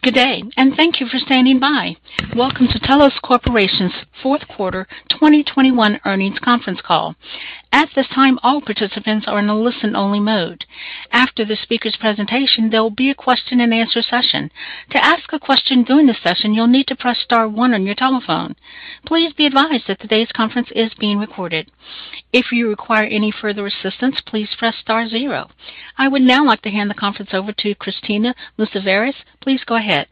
Good day, and thank you for standing by. Welcome to Telos Corporation's fourth quarter 2021 earnings conference call. At this time, all participants are in a listen-only mode. After the speaker's presentation, there will be a question-and-answer session. To ask a question during the session, you'll need to press star one on your telephone. Please be advised that today's conference is being recorded. If you require any further assistance, please press star zero. I would now like to hand the conference over to Christina Mouzavires. Please go ahead.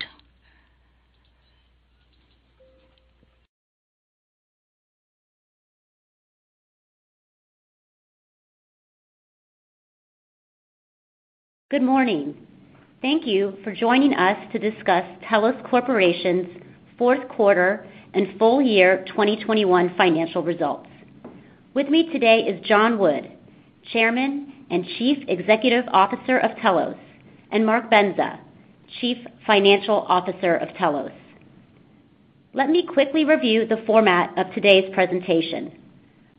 Good morning. Thank you for joining us to discuss Telos Corporation's fourth quarter and full year 2021 financial results. With me today is John Wood, Chairman and Chief Executive Officer of Telos, and Mark Bendza, Chief Financial Officer of Telos. Let me quickly review the format of today's presentation.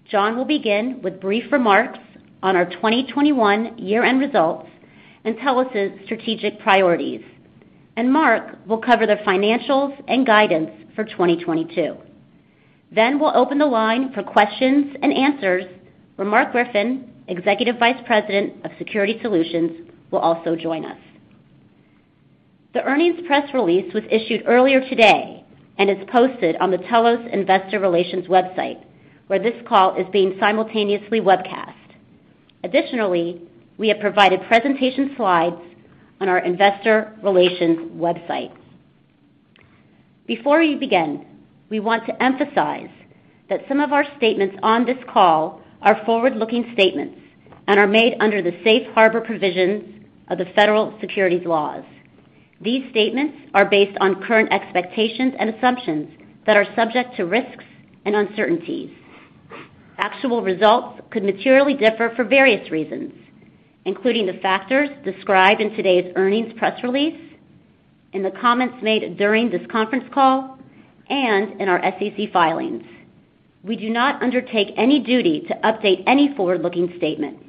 John will begin with brief remarks on our 2021 year-end results and Telos' strategic priorities, and Mark will cover the financials and guidance for 2022. We'll open the line for questions and answers where Mark Griffin, Executive Vice President of Security Solutions, will also join us. The earnings press release was issued earlier today and is posted on the Telos Investor Relations website, where this call is being simultaneously webcast. Additionally, we have provided presentation slides on our investor relations website. Before we begin, we want to emphasize that some of our statements on this call are forward-looking statements and are made under the safe harbor provisions of the federal securities laws. These statements are based on current expectations and assumptions that are subject to risks and uncertainties. Actual results could materially differ for various reasons, including the factors described in today's earnings press release, in the comments made during this conference call, and in our SEC filings. We do not undertake any duty to update any forward-looking statements.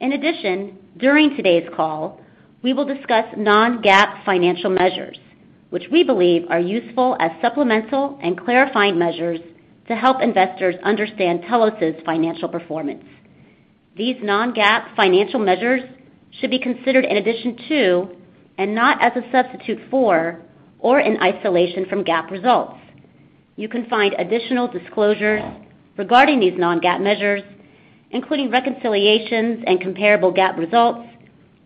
In addition, during today's call, we will discuss non-GAAP financial measures, which we believe are useful as supplemental and clarifying measures to help investors understand Telos' financial performance. These non-GAAP financial measures should be considered in addition to and not as a substitute for or in isolation from GAAP results. You can find additional disclosures regarding these non-GAAP measures, including reconciliations and comparable GAAP results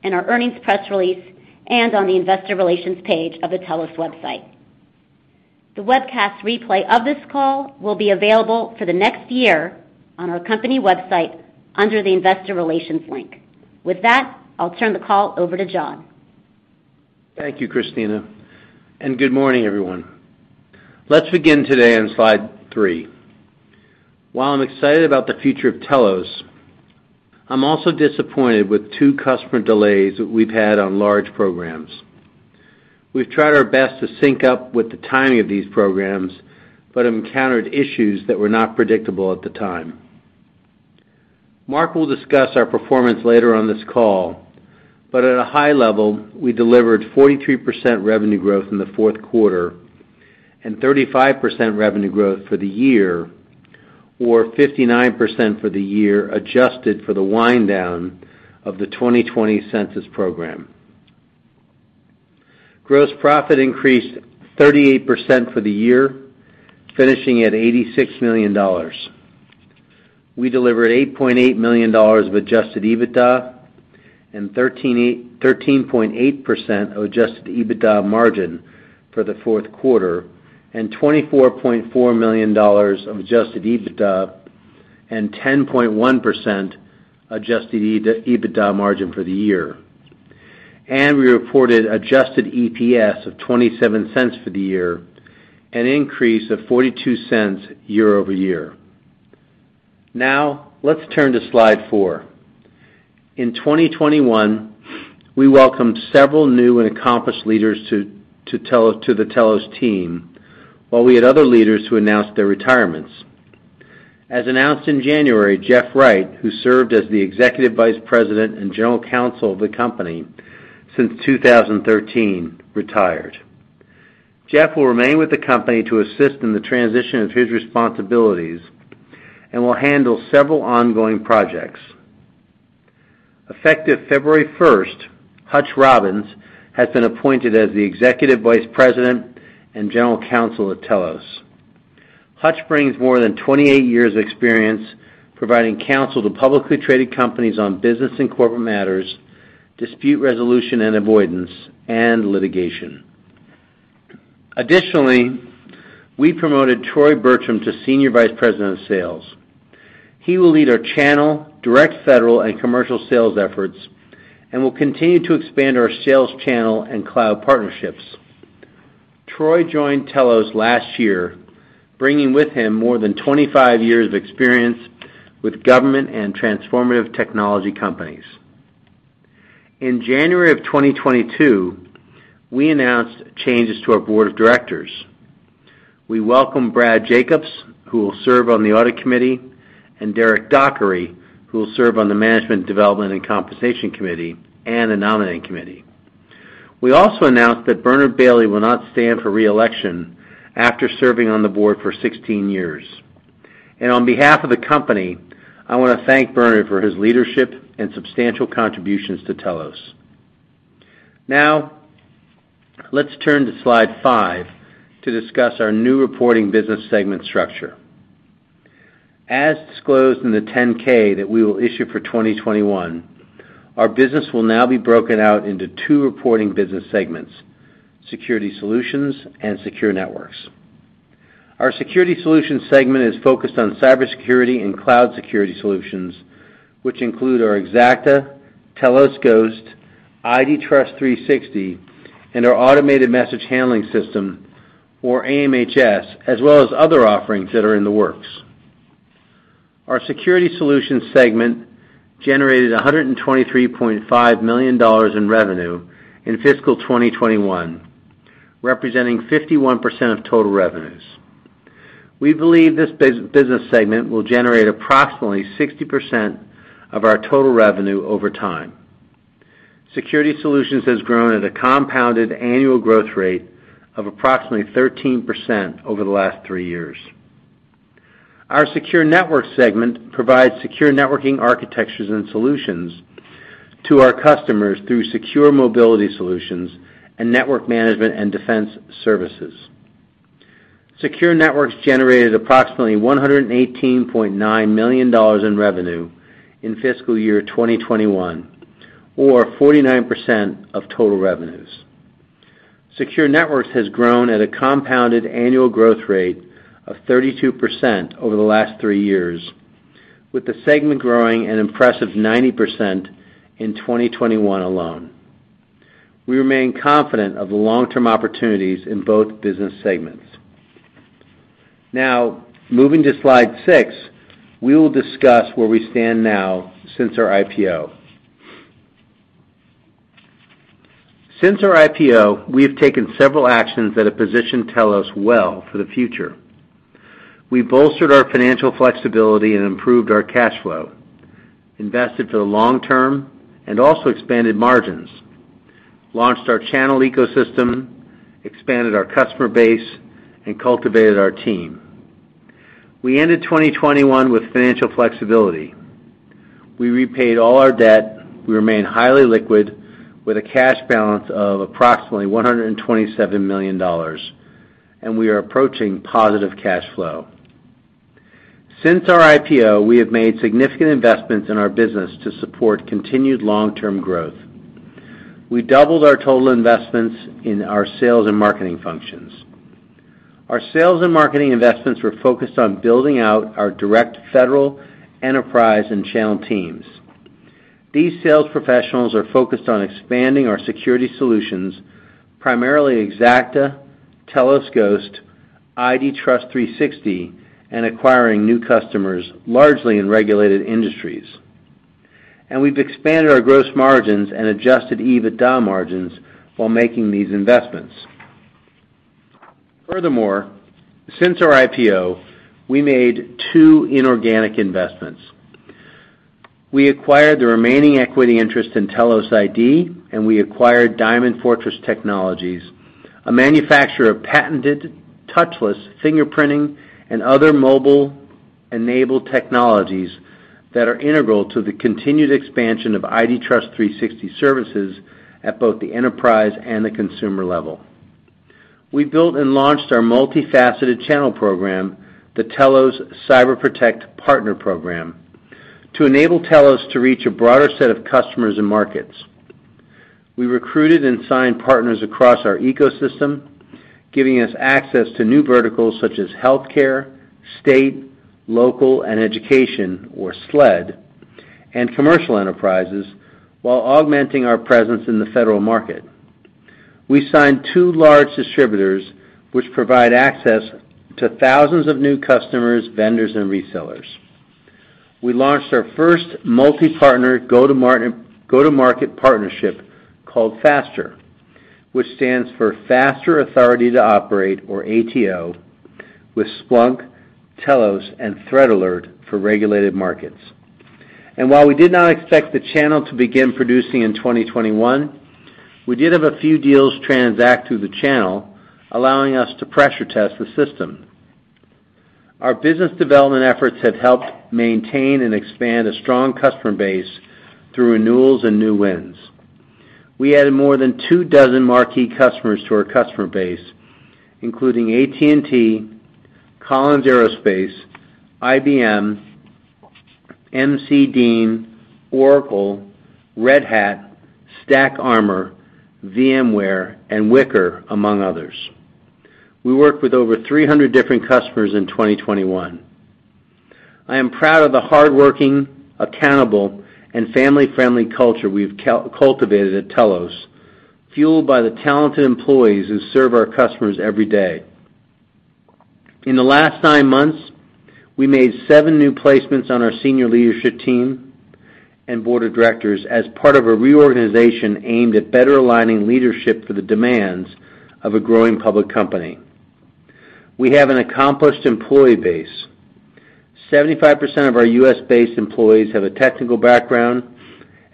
in our earnings press release and on the investor relations page of the Telos website. The webcast replay of this call will be available for the next year on our company website under the investor relations link. With that, I'll turn the call over to John. Thank you, Christina, and good morning, everyone. Let's begin today on slide 3. While I'm excited about the future of Telos, I'm also disappointed with two customer delays that we've had on large programs. We've tried our best to sync up with the timing of these programs, but encountered issues that were not predictable at the time. Mark will discuss our performance later on this call, but at a high level, we delivered 43% revenue growth in the fourth quarter and 35% revenue growth for the year or 59% for the year adjusted for the wind down of the 2020 census program. Gross profit increased 38% for the year, finishing at $86 million. We delivered $8.8 million of adjusted EBITDA and 13.8% of adjusted EBITDA margin for the fourth quarter and $24.4 million of adjusted EBITDA and 10.1% adjusted EBITDA margin for the year. We reported adjusted EPS of $0.27 for the year, an increase of $0.42 year-over-year. Now let's turn to slide 4. In 2021 we welcomed several new and accomplished leaders to the Telos team while we had other leaders who announced their retirements. As announced in January, Jeff Wright, who served as the Executive Vice President and General Counsel of the company since 2013, retired. Jeff will remain with the company to assist in the transition of his responsibilities and will handle several ongoing projects. Effective February 1, Hutch Robbins has been appointed as the Executive Vice President and General Counsel of Telos. Hutch brings more than 28 years of experience providing counsel to publicly traded companies on business and corporate matters, dispute resolution and avoidance, and litigation. Additionally, we promoted Troy Bertram to Senior Vice President of Sales. He will lead our channel, direct federal, and commercial sales efforts and will continue to expand our sales channel and cloud partnerships. Troy joined Telos last year, bringing with him more than 25 years of experience with government and transformative technology companies. In January of 2022, we announced changes to our board of directors. We welcome Brad Jacobs, who will serve on the audit committee, and Derrick Dockery, who will serve on the management, development and compensation committee and the nominating committee. We also announced that Bernard Bailey will not stand for reelection after serving on the board for 16 years. On behalf of the company, I want to thank Bernard for his leadership and substantial contributions to Telos. Now let's turn to slide 5 to discuss our new reporting business segment structure. As disclosed in the 10-K that we will issue for 2021, our business will now be broken out into 2 reporting business segments, Security Solutions and Secure Networks. Our Security Solutions segment is focused on cybersecurity and cloud security solutions, which include our Xacta, Telos Ghost, IDTrust360, and our automated message handling system, or AMHS, as well as other offerings that are in the works. Our Security Solutions segment generated $123.5 million in revenue in fiscal 2021, representing 51% of total revenues. We believe this business segment will generate approximately 60% of our total revenue over time. Security Solutions has grown at a compounded annual growth rate of approximately 13% over the last three years. Our Secure Networks segment provides secure networking architectures and solutions to our customers through secure mobility solutions and network management and defense services. Secure Networks generated approximately $118.9 million in revenue in fiscal year 2021, or 49% of total revenues. Secure Networks has grown at a compounded annual growth rate of 32% over the last three years, with the segment growing an impressive 90% in 2021 alone. We remain confident of the long-term opportunities in both business segments. Now moving to slide 6, we will discuss where we stand now since our IPO. Since our IPO, we have taken several actions that have positioned Telos well for the future. We bolstered our financial flexibility and improved our cash flow, invested for the long term and also expanded margins, launched our channel ecosystem, expanded our customer base, and cultivated our team. We ended 2021 with financial flexibility. We repaid all our debt. We remain highly liquid with a cash balance of approximately $127 million, and we are approaching positive cash flow. Since our IPO, we have made significant investments in our business to support continued long-term growth. We doubled our total investments in our sales and marketing functions. Our sales and marketing investments were focused on building out our direct federal enterprise and channel teams. These sales professionals are focused on expanding our security solutions, primarily Xacta, Telos Ghost, IDTrust360, and acquiring new customers, largely in regulated industries. We've expanded our gross margins and adjusted EBITDA margins while making these investments. Furthermore, since our IPO, we made 2 inorganic investments. We acquired the remaining equity interest in Telos ID, and we acquired Diamond Fortress Technologies, a manufacturer of patented touchless fingerprinting and other mobile-enabled technologies that are integral to the continued expansion of IDTrust360 services at both the enterprise and the consumer level. We built and launched our multifaceted channel program, the Telos Cyber Protect Partner Program, to enable Telos to reach a broader set of customers and markets. We recruited and signed partners across our ecosystem, giving us access to new verticals such as healthcare, state, local, and education, or SLED, and commercial enterprises while augmenting our presence in the federal market. We signed two large distributors which provide access to thousands of new customers, vendors, and resellers. We launched our first multi-partner go-to-market partnership called FASTTR, which stands for Faster Authority to Operate, or ATO, with Splunk, Telos, and ThreatAlert for regulated markets. While we did not expect the channel to begin producing in 2021, we did have a few deals transact through the channel, allowing us to pressure test the system. Our business development efforts have helped maintain and expand a strong customer base through renewals and new wins. We added more than 24 marquee customers to our customer base, including AT&T, Collins Aerospace, IBM, M.C. Dean, Oracle, Red Hat, StackArmor, VMware, and Wickr, among others. We worked with over 300 different customers in 2021. I am proud of the hardworking, accountable, and family-friendly culture we've cultivated at Telos, fueled by the talented employees who serve our customers every day. In the last nine months, we made seven new placements on our senior leadership team and board of directors as part of a reorganization aimed at better aligning leadership for the demands of a growing public company. We have an accomplished employee base. 75% of our U.S.-based employees have a technical background,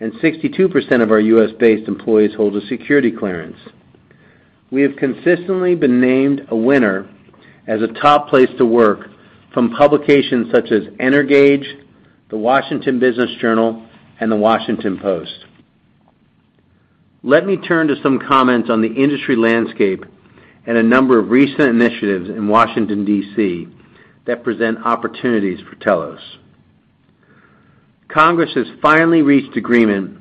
and 62% of our U.S.-based employees hold a security clearance. We have consistently been named a winner as a top place to work from publications such as Energage, the Washington Business Journal, and The Washington Post. Let me turn to some comments on the industry landscape and a number of recent initiatives in Washington, D.C., that present opportunities for Telos. Congress has finally reached agreement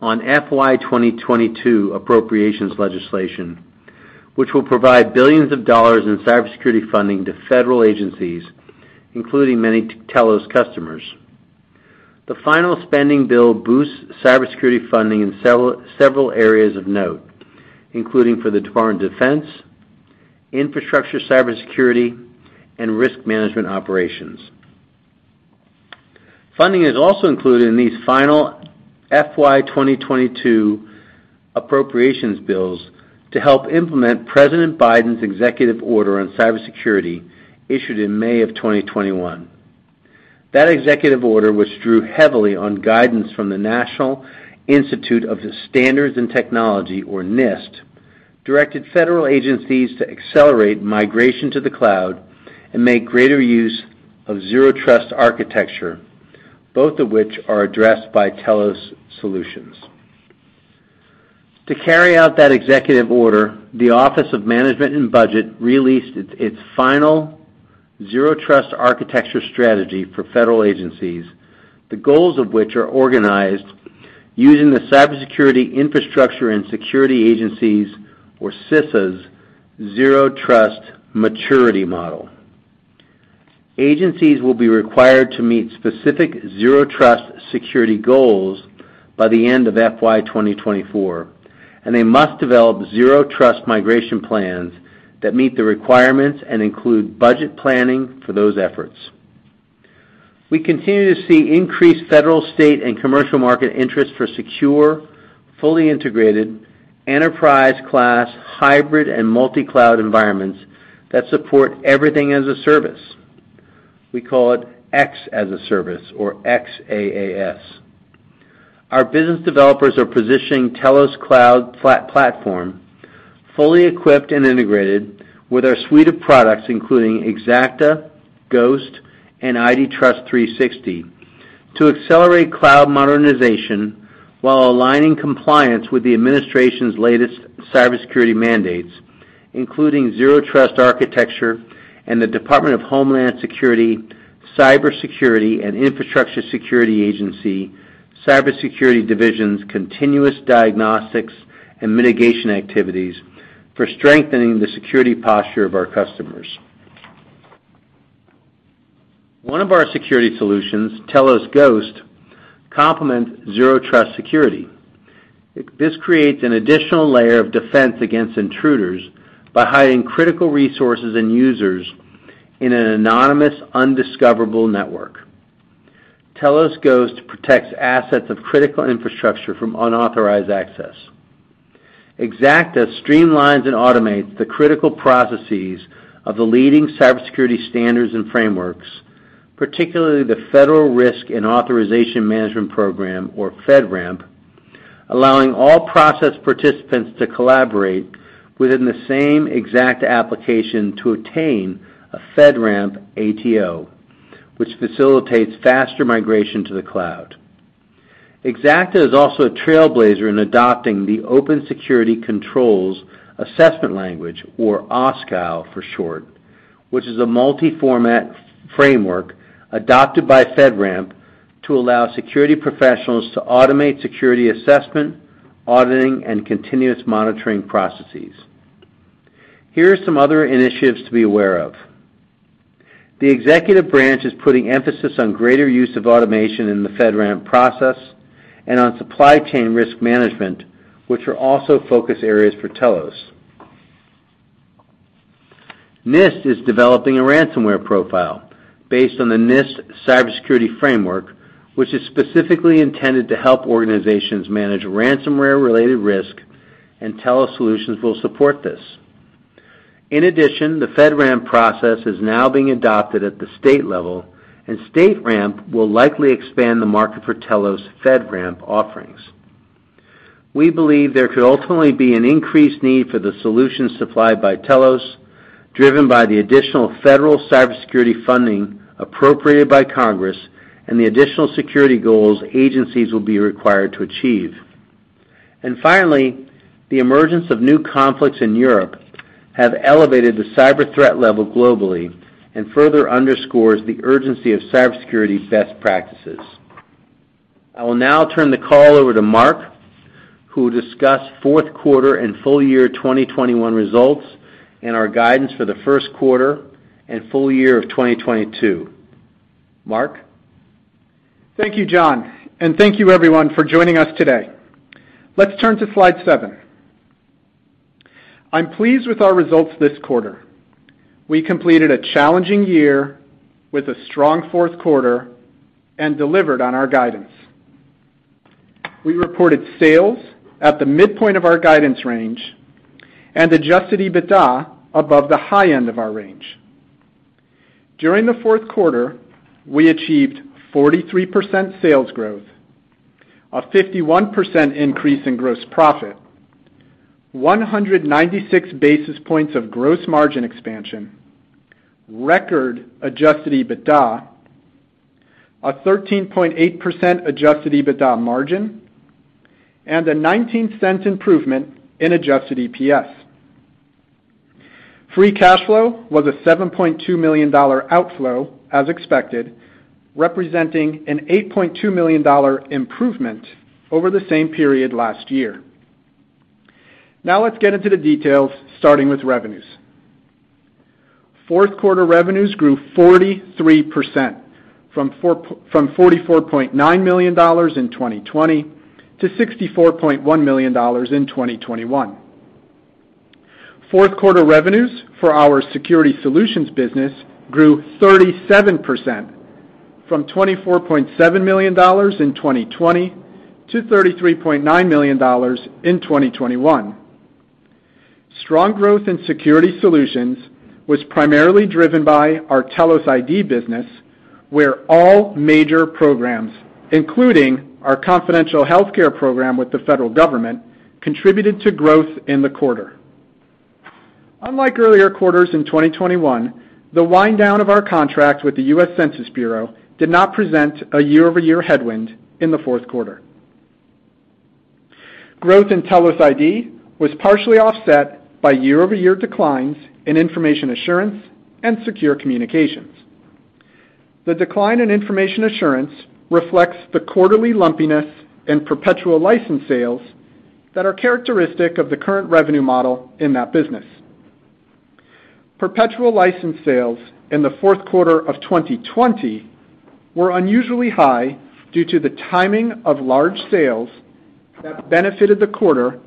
on FY 2022 appropriations legislation, which will provide billions of dollars in cybersecurity funding to federal agencies, including many Telos customers. The final spending bill boosts cybersecurity funding in several areas of note, including for the Department of Defense, infrastructure cybersecurity, and risk management operations. Funding is also included in these final FY 2022 appropriations bills to help implement President Biden's executive order on cybersecurity issued in May of 2021. That executive order, which drew heavily on guidance from the National Institute of Standards and Technology, or NIST, directed federal agencies to accelerate migration to the cloud and make greater use of zero trust architecture, both of which are addressed by Telos solutions. To carry out that executive order, the Office of Management and Budget released its final zero trust architecture strategy for federal agencies, the goals of which are organized using the Cybersecurity and Infrastructure Security Agency, or CISA's, zero trust maturity model. Agencies will be required to meet specific zero trust security goals by the end of FY 2024, and they must develop zero trust migration plans that meet the requirements and include budget planning for those efforts. We continue to see increased federal, state, and commercial market interest for secure, fully integrated, enterprise-class, hybrid, and multi-cloud environments that support everything as a service. We call it X-as-a-service, or XaaS. Our business developers are positioning Telos cloud platform, fully equipped and integrated with our suite of products, including Xacta, Ghost, and IDTrust360, to accelerate cloud modernization while aligning compliance with the administration's latest cybersecurity mandates, including zero trust architecture and the Department of Homeland Security, Cybersecurity and Infrastructure Security Agency, Cybersecurity Division's continuous diagnostics and mitigation activities for strengthening the security posture of our customers. One of our security solutions, Telos Ghost, complements zero trust security. This creates an additional layer of defense against intruders by hiding critical resources and users in an anonymous, undiscoverable network. Telos Ghost protects assets of critical infrastructure from unauthorized access. Xacta streamlines and automates the critical processes of the leading cybersecurity standards and frameworks, particularly the Federal Risk and Authorization Management Program, or FedRAMP, allowing all process participants to collaborate within the same Xacta application to attain a FedRAMP ATO, which facilitates faster migration to the cloud. Xacta is also a trailblazer in adopting the Open Security Controls Assessment Language, or OSCAL for short, which is a multi-format framework adopted by FedRAMP to allow security professionals to automate security assessment, auditing, and continuous monitoring processes. Here are some other initiatives to be aware of. The executive branch is putting emphasis on greater use of automation in the FedRAMP process and on supply chain risk management, which are also focus areas for Telos. NIST is developing a ransomware profile based on the NIST cybersecurity framework, which is specifically intended to help organizations manage ransomware-related risk, and Telos solutions will support this. In addition, the FedRAMP process is now being adopted at the state level, and StateRAMP will likely expand the market for Telos FedRAMP offerings. We believe there could ultimately be an increased need for the solutions supplied by Telos, driven by the additional federal cybersecurity funding appropriated by Congress and the additional security goals agencies will be required to achieve. Finally, the emergence of new conflicts in Europe have elevated the cyber threat level globally and further underscores the urgency of cybersecurity best practices. I will now turn the call over to Mark, who will discuss fourth quarter and full year 2021 results and our guidance for the first quarter and full year of 2022. Mark? Thank you, John, and thank you everyone for joining us today. Let's turn to slide seven. I'm pleased with our results this quarter. We completed a challenging year with a strong fourth quarter and delivered on our guidance. We reported sales at the midpoint of our guidance range and adjusted EBITDA above the high end of our range. During the fourth quarter, we achieved 43% sales growth, a 51% increase in gross profit, 196 basis points of gross margin expansion, record adjusted EBITDA, a 13.8% adjusted EBITDA margin, and a $0.19 improvement in adjusted EPS. Free cash flow was a $7.2 million outflow as expected, representing an $8.2 million improvement over the same period last year. Now let's get into the details, starting with revenues. Fourth quarter revenues grew 43% from $44.9 million in 2020 to $64.1 million in 2021. Fourth quarter revenues for our Security Solutions business grew 37% from $24.7 million in 2020 to $33.9 million in 2021. Strong growth in Security Solutions was primarily driven by our Telos ID business, where all major programs, including our confidential healthcare program with the federal government, contributed to growth in the quarter. Unlike earlier quarters in 2021, the wind down of our contract with the U.S. Census Bureau did not present a year-over-year headwind in the fourth quarter. Growth in Telos ID was partially offset by year-over-year declines in information assurance and secure communications. The decline in information assurance reflects the quarterly lumpiness in perpetual license sales that are characteristic of the current revenue model in that business. Perpetual license sales in the fourth quarter of 2020 were unusually high due to the timing of large sales that benefited the quarter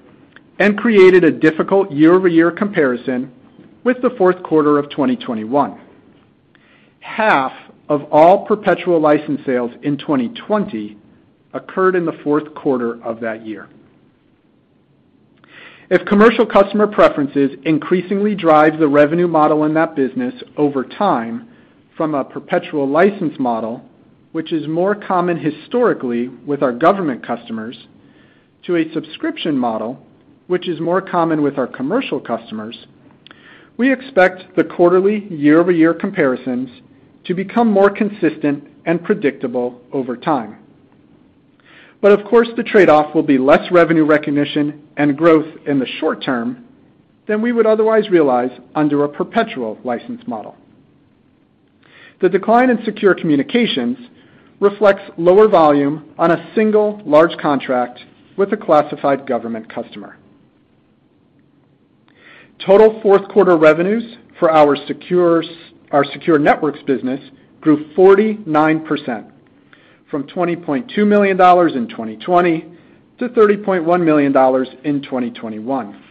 and created a difficult year-over-year comparison with the fourth quarter of 2021. Half of all perpetual license sales in 2020 occurred in the fourth quarter of that year. If commercial customer preferences increasingly drive the revenue model in that business over time from a perpetual license model, which is more common historically with our government customers, to a subscription model, which is more common with our commercial customers, we expect the quarterly year-over-year comparisons to become more consistent and predictable over time. Of course, the trade-off will be less revenue recognition and growth in the short term than we would otherwise realize under a perpetual license model. The decline in Secure Communications reflects lower volume on a single large contract with a classified government customer. Total fourth quarter revenues for our Secure Networks business grew 49% from $20.2 million in 2020 to $30.1 million in 2021.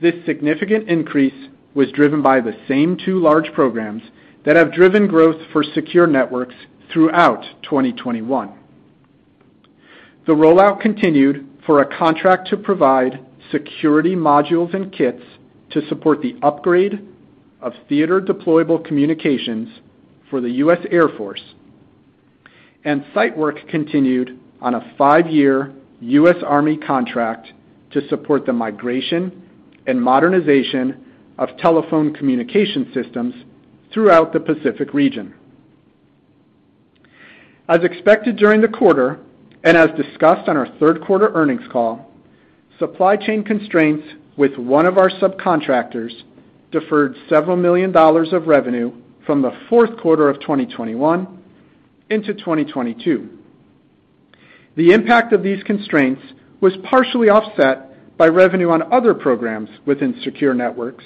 This significant increase was driven by the same two large programs that have driven growth for Secure Networks throughout 2021. The rollout continued for a contract to provide security modules and kits to support the upgrade of theater deployable communications for the U.S. Air Force. Site work continued on a five-year U.S. Army contract to support the migration and modernization of telephone communication systems throughout the Pacific region. As expected during the quarter, and as discussed on our third quarter earnings call, supply chain constraints with one of our subcontractors deferred several million dollar of revenue from the fourth quarter of 2021 into 2022. The impact of these constraints was partially offset by revenue on other programs within secure networks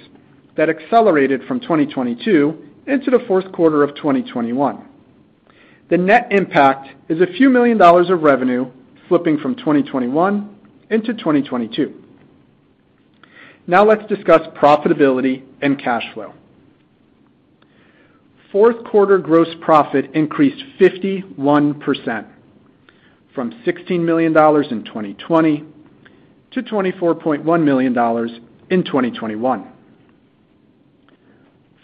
that accelerated from 2022 into the fourth quarter of 2021. The net impact is a few million dollar of revenue flipping from 2021 into 2022. Now let's discuss profitability and cash flow. Fourth quarter gross profit increased 51% from $16 million in 2020 to $24.1 million in 2021.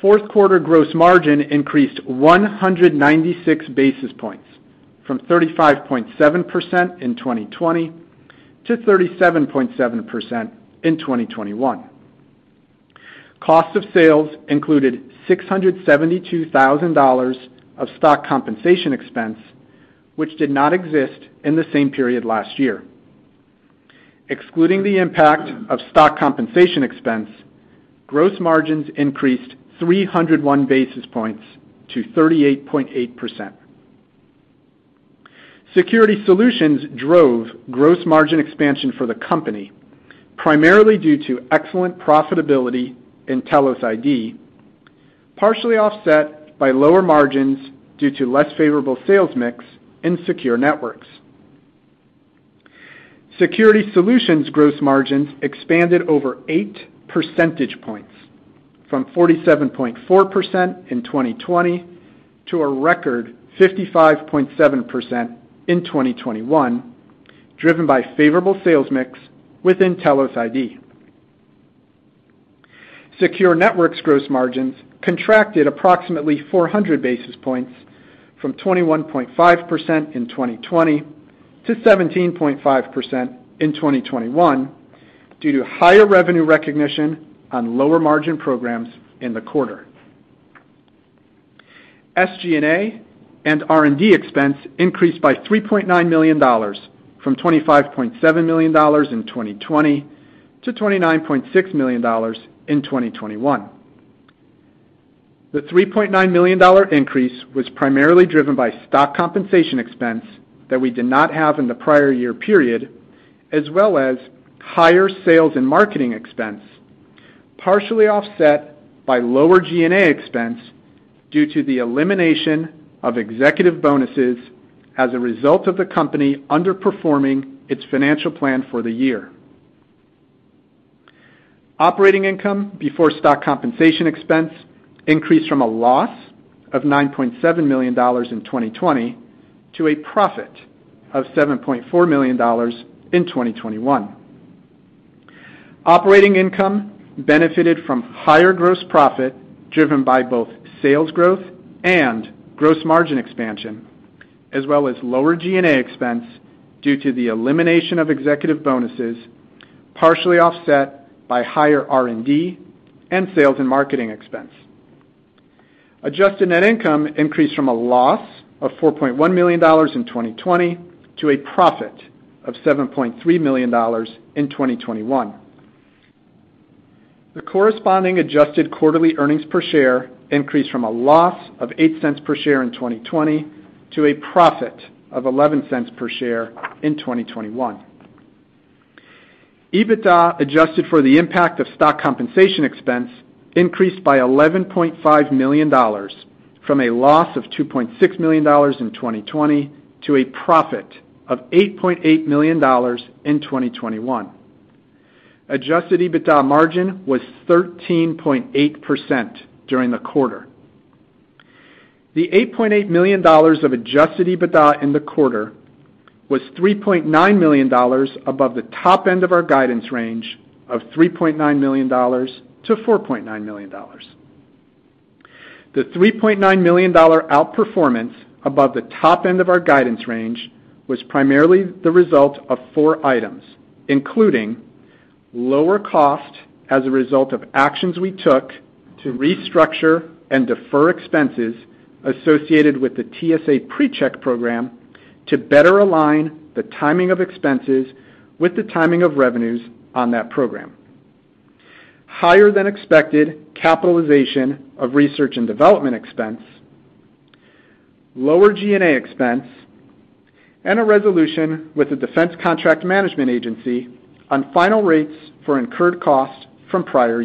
Fourth quarter gross margin increased 196 basis points from 35.7% in 2020 to 37.7% in 2021. Cost of sales included $672,000 of stock compensation expense, which did not exist in the same period last year. Excluding the impact of stock compensation expense, gross margins increased 301 basis points to 38.8%. Security Solutions drove gross margin expansion for the company primarily due to excellent profitability in Telos ID, partially offset by lower margins due to less favorable sales mix in Secure Networks. Security Solutions gross margins expanded over 8 percentage points from 47.4% in 2020 to a record 55.7% in 2021, driven by favorable sales mix with Telos ID. Secure Networks gross margins contracted approximately 400 basis points from 21.5% in 2020 to 17.5% in 2021 due to higher revenue recognition on lower margin programs in the quarter. SG&A and R&D expense increased by $3.9 million from $25.7 million in 2020 to $29.6 million in 2021. The $3.9 million increase was primarily driven by stock compensation expense that we did not have in the prior year period, as well as higher sales and marketing expense, partially offset by lower G&A expense due to the elimination of executive bonuses as a result of the company underperforming its financial plan for the year. Operating income before stock compensation expense increased from a loss of $9.7 million in 2020 to a profit of $7.4 million in 2021. Operating income benefited from higher gross profit, driven by both sales growth and gross margin expansion, as well as lower G&A expense due to the elimination of executive bonuses, partially offset by higher R&D and sales and marketing expense. Adjusted net income increased from a loss of $4.1 million in 2020 to a profit of $7.3 million in 2021. The corresponding adjusted quarterly earnings per share increased from a loss of $0.08 per share in 2020 to a profit of $0.11 per share in 2021. EBITDA, adjusted for the impact of stock compensation expense, increased by $11.5 million from a loss of $2.6 million in 2020 to a profit of $8.8 million in 2021. Adjusted EBITDA margin was 13.8% during the quarter. The $8.8 million of adjusted EBITDA in the quarter was $3.9 million above the top end of our guidance range of $3.9 million-$4.9 million. The $3.9 million outperformance above the top end of our guidance range was primarily the result of four items, including lower cost as a result of actions we took to restructure and defer expenses associated with the TSA PreCheck program to better align the timing of expenses with the timing of revenues on that program, higher than expected capitalization of research and development expense, lower G&A expense, and a resolution with the Defense Contract Management Agency on final rates for incurred costs from prior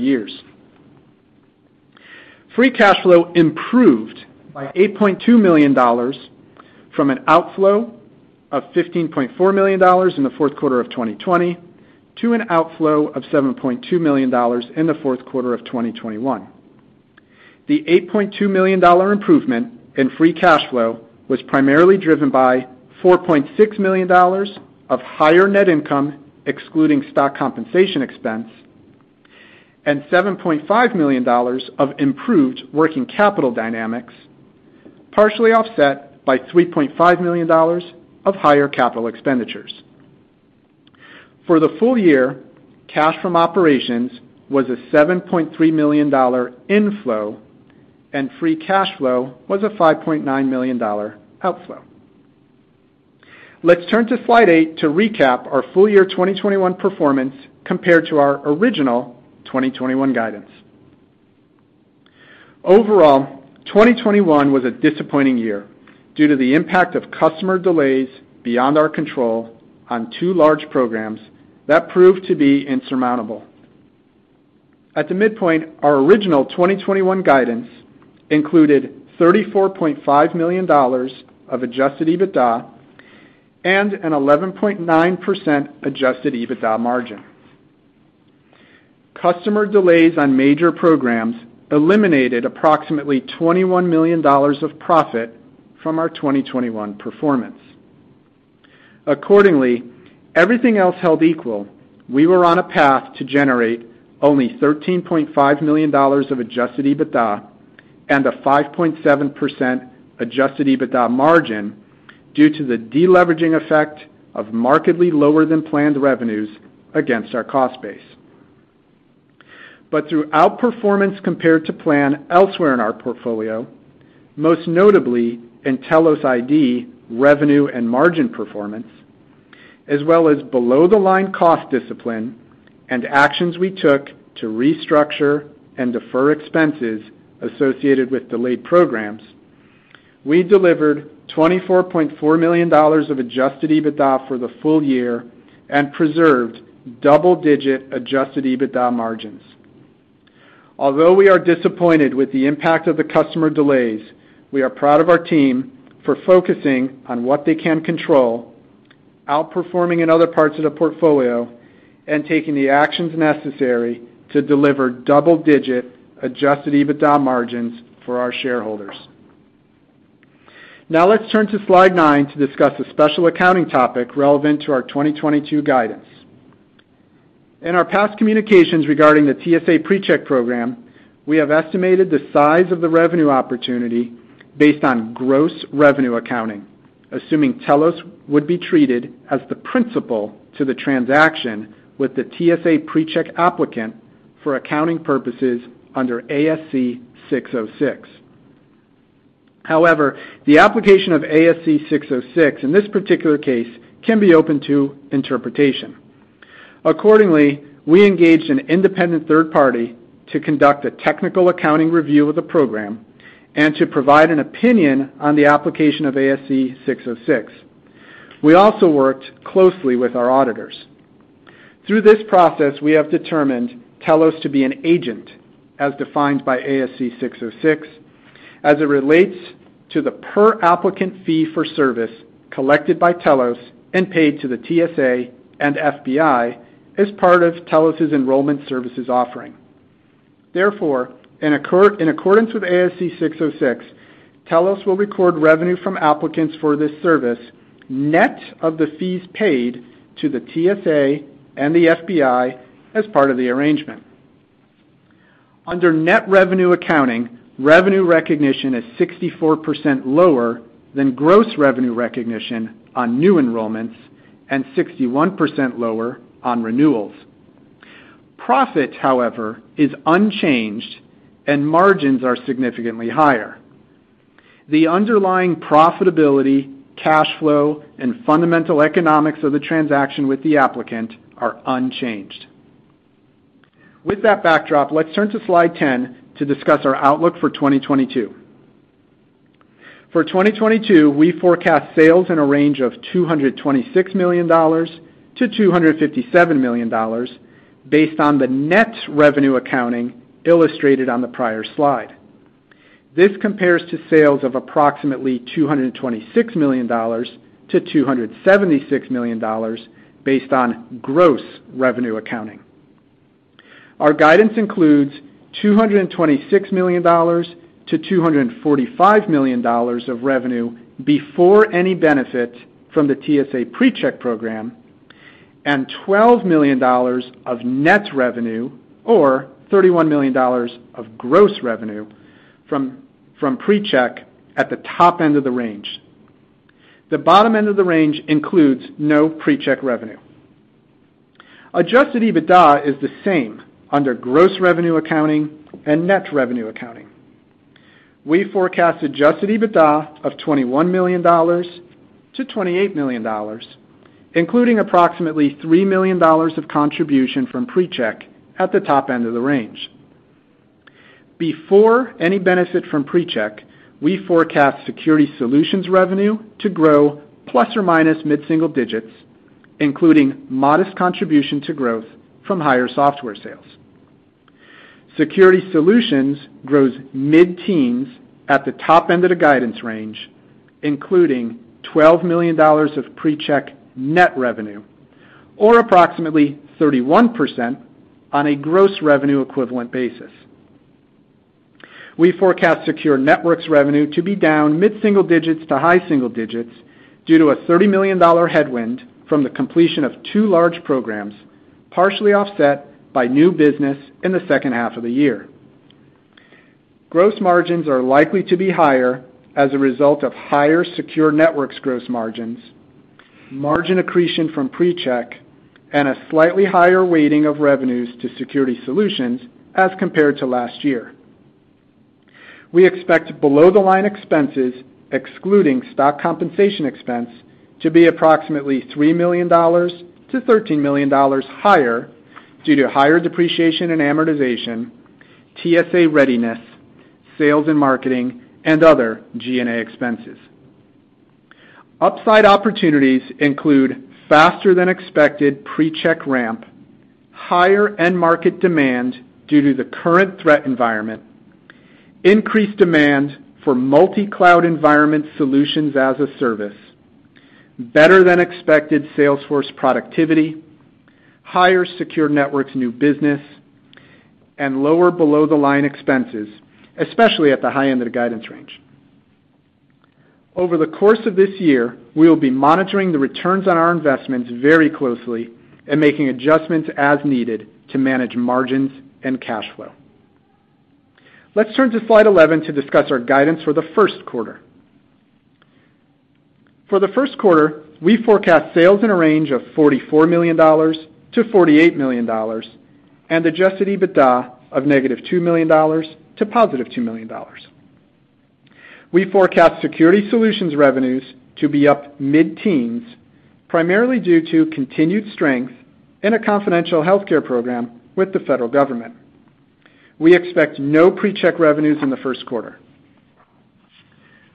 years. Free cash flow improved by $8.2 million from an outflow of $15.4 million in the fourth quarter of 2020 to an outflow of $7.2 million in the fourth quarter of 2021. The $8.2 million improvement in free cash flow was primarily driven by $4.6 million of higher net income excluding stock compensation expense and $7.5 million of improved working capital dynamics, partially offset by $3.5 million of higher capital expenditures. For the full year, cash from operations was a $7.3 million inflow, and free cash flow was a $5.9 million outflow. Let's turn to slide 8 to recap our full year 2021 performance compared to our original 2021 guidance. Overall, 2021 was a disappointing year due to the impact of customer delays beyond our control on two large programs that proved to be insurmountable. At the midpoint, our original 2021 guidance included $34.5 million of adjusted EBITDA and an 11.9% adjusted EBITDA margin. Customer delays on major programs eliminated approximately $21 million of profit from our 2021 performance. Accordingly, everything else held equal, we were on a path to generate only $13.5 million of adjusted EBITDA and a 5.7% adjusted EBITDA margin due to the deleveraging effect of markedly lower than planned revenues against our cost base. Through outperformance compared to plan elsewhere in our portfolio, most notably Telos ID revenue and margin performance, as well as below-the-line cost discipline and actions we took to restructure and defer expenses associated with delayed programs, we delivered $24.4 million of adjusted EBITDA for the full year and preserved double-digit adjusted EBITDA margins. Although we are disappointed with the impact of the customer delays, we are proud of our team for focusing on what they can control, outperforming in other parts of the portfolio, and taking the actions necessary to deliver double-digit adjusted EBITDA margins for our shareholders. Now let's turn to slide nine to discuss a special accounting topic relevant to our 2022 guidance. In our past communications regarding the TSA PreCheck program, we have estimated the size of the revenue opportunity based on gross revenue accounting, assuming Telos would be treated as the principal to the transaction with the TSA PreCheck applicant for accounting purposes under ASC 606. However, the application of ASC 606 in this particular case can be open to interpretation. Accordingly, we engaged an independent third party to conduct a technical accounting review of the program and to provide an opinion on the application of ASC 606. We also worked closely with our auditors. Through this process, we have determined Telos to be an agent, as defined by ASC 606, as it relates to the per applicant fee for service collected by Telos and paid to the TSA and FBI as part of Telos' enrollment services offering. Therefore, in accordance with ASC 606, Telos will record revenue from applicants for this service, net of the fees paid to the TSA and the FBI as part of the arrangement. Under net revenue accounting, revenue recognition is 64% lower than gross revenue recognition on new enrollments and 61% lower on renewals. Profit, however, is unchanged, and margins are significantly higher. The underlying profitability, cash flow, and fundamental economics of the transaction with the applicant are unchanged. With that backdrop, let's turn to slide 10 to discuss our outlook for 2022. For 2022, we forecast sales in a range of $226 million-$257 million based on the net revenue accounting illustrated on the prior slide. This compares to sales of approximately $226 million-$276 million based on gross revenue accounting. Our guidance includes $226 million-$245 million of revenue before any benefit from the TSA PreCheck program and $12 million of net revenue or $31 million of gross revenue from PreCheck at the top end of the range. The bottom end of the range includes no PreCheck revenue. Adjusted EBITDA is the same under gross revenue accounting and net revenue accounting. We forecast adjusted EBITDA of $21 million-$28 million, including approximately $3 million of contribution from PreCheck at the top end of the range. Before any benefit from PreCheck, we forecast Security Solutions revenue to grow ± mid-single digits, including modest contribution to growth from higher software sales. Security Solutions grows mid-teens% at the top end of the guidance range, including $12 million of PreCheck net revenue or approximately 31% on a gross revenue equivalent basis. We forecast Secure Networks revenue to be down mid-single digits% to high single digits% due to a $30 million headwind from the completion of two large programs, partially offset by new business in the second half of the year. Gross margins are likely to be higher as a result of higher Secure Networks gross margins, margin accretion from PreCheck, and a slightly higher weighting of revenues to Security Solutions as compared to last year. We expect below-the-line expenses, excluding stock compensation expense, to be approximately $3 million-$13 million higher due to higher depreciation and amortization, TSA readiness, sales and marketing, and other G&A expenses. Upside opportunities include faster than expected PreCheck ramp, higher end market demand due to the current threat environment, increased demand for multi-cloud environment solutions as a service, better than expected sales force productivity, higher Secure Networks new business, and lower below-the-line expenses, especially at the high end of the guidance range. Over the course of this year, we will be monitoring the returns on our investments very closely and making adjustments as needed to manage margins and cash flow. Let's turn to slide 11 to discuss our guidance for the first quarter. For the first quarter, we forecast sales in a range of $44 million-$48 million and adjusted EBITDA of -$2 million to +$2 million. We forecast Security Solutions revenues to be up mid-teens%, primarily due to continued strength in a confidential healthcare program with the federal government. We expect no PreCheck revenues in the first quarter.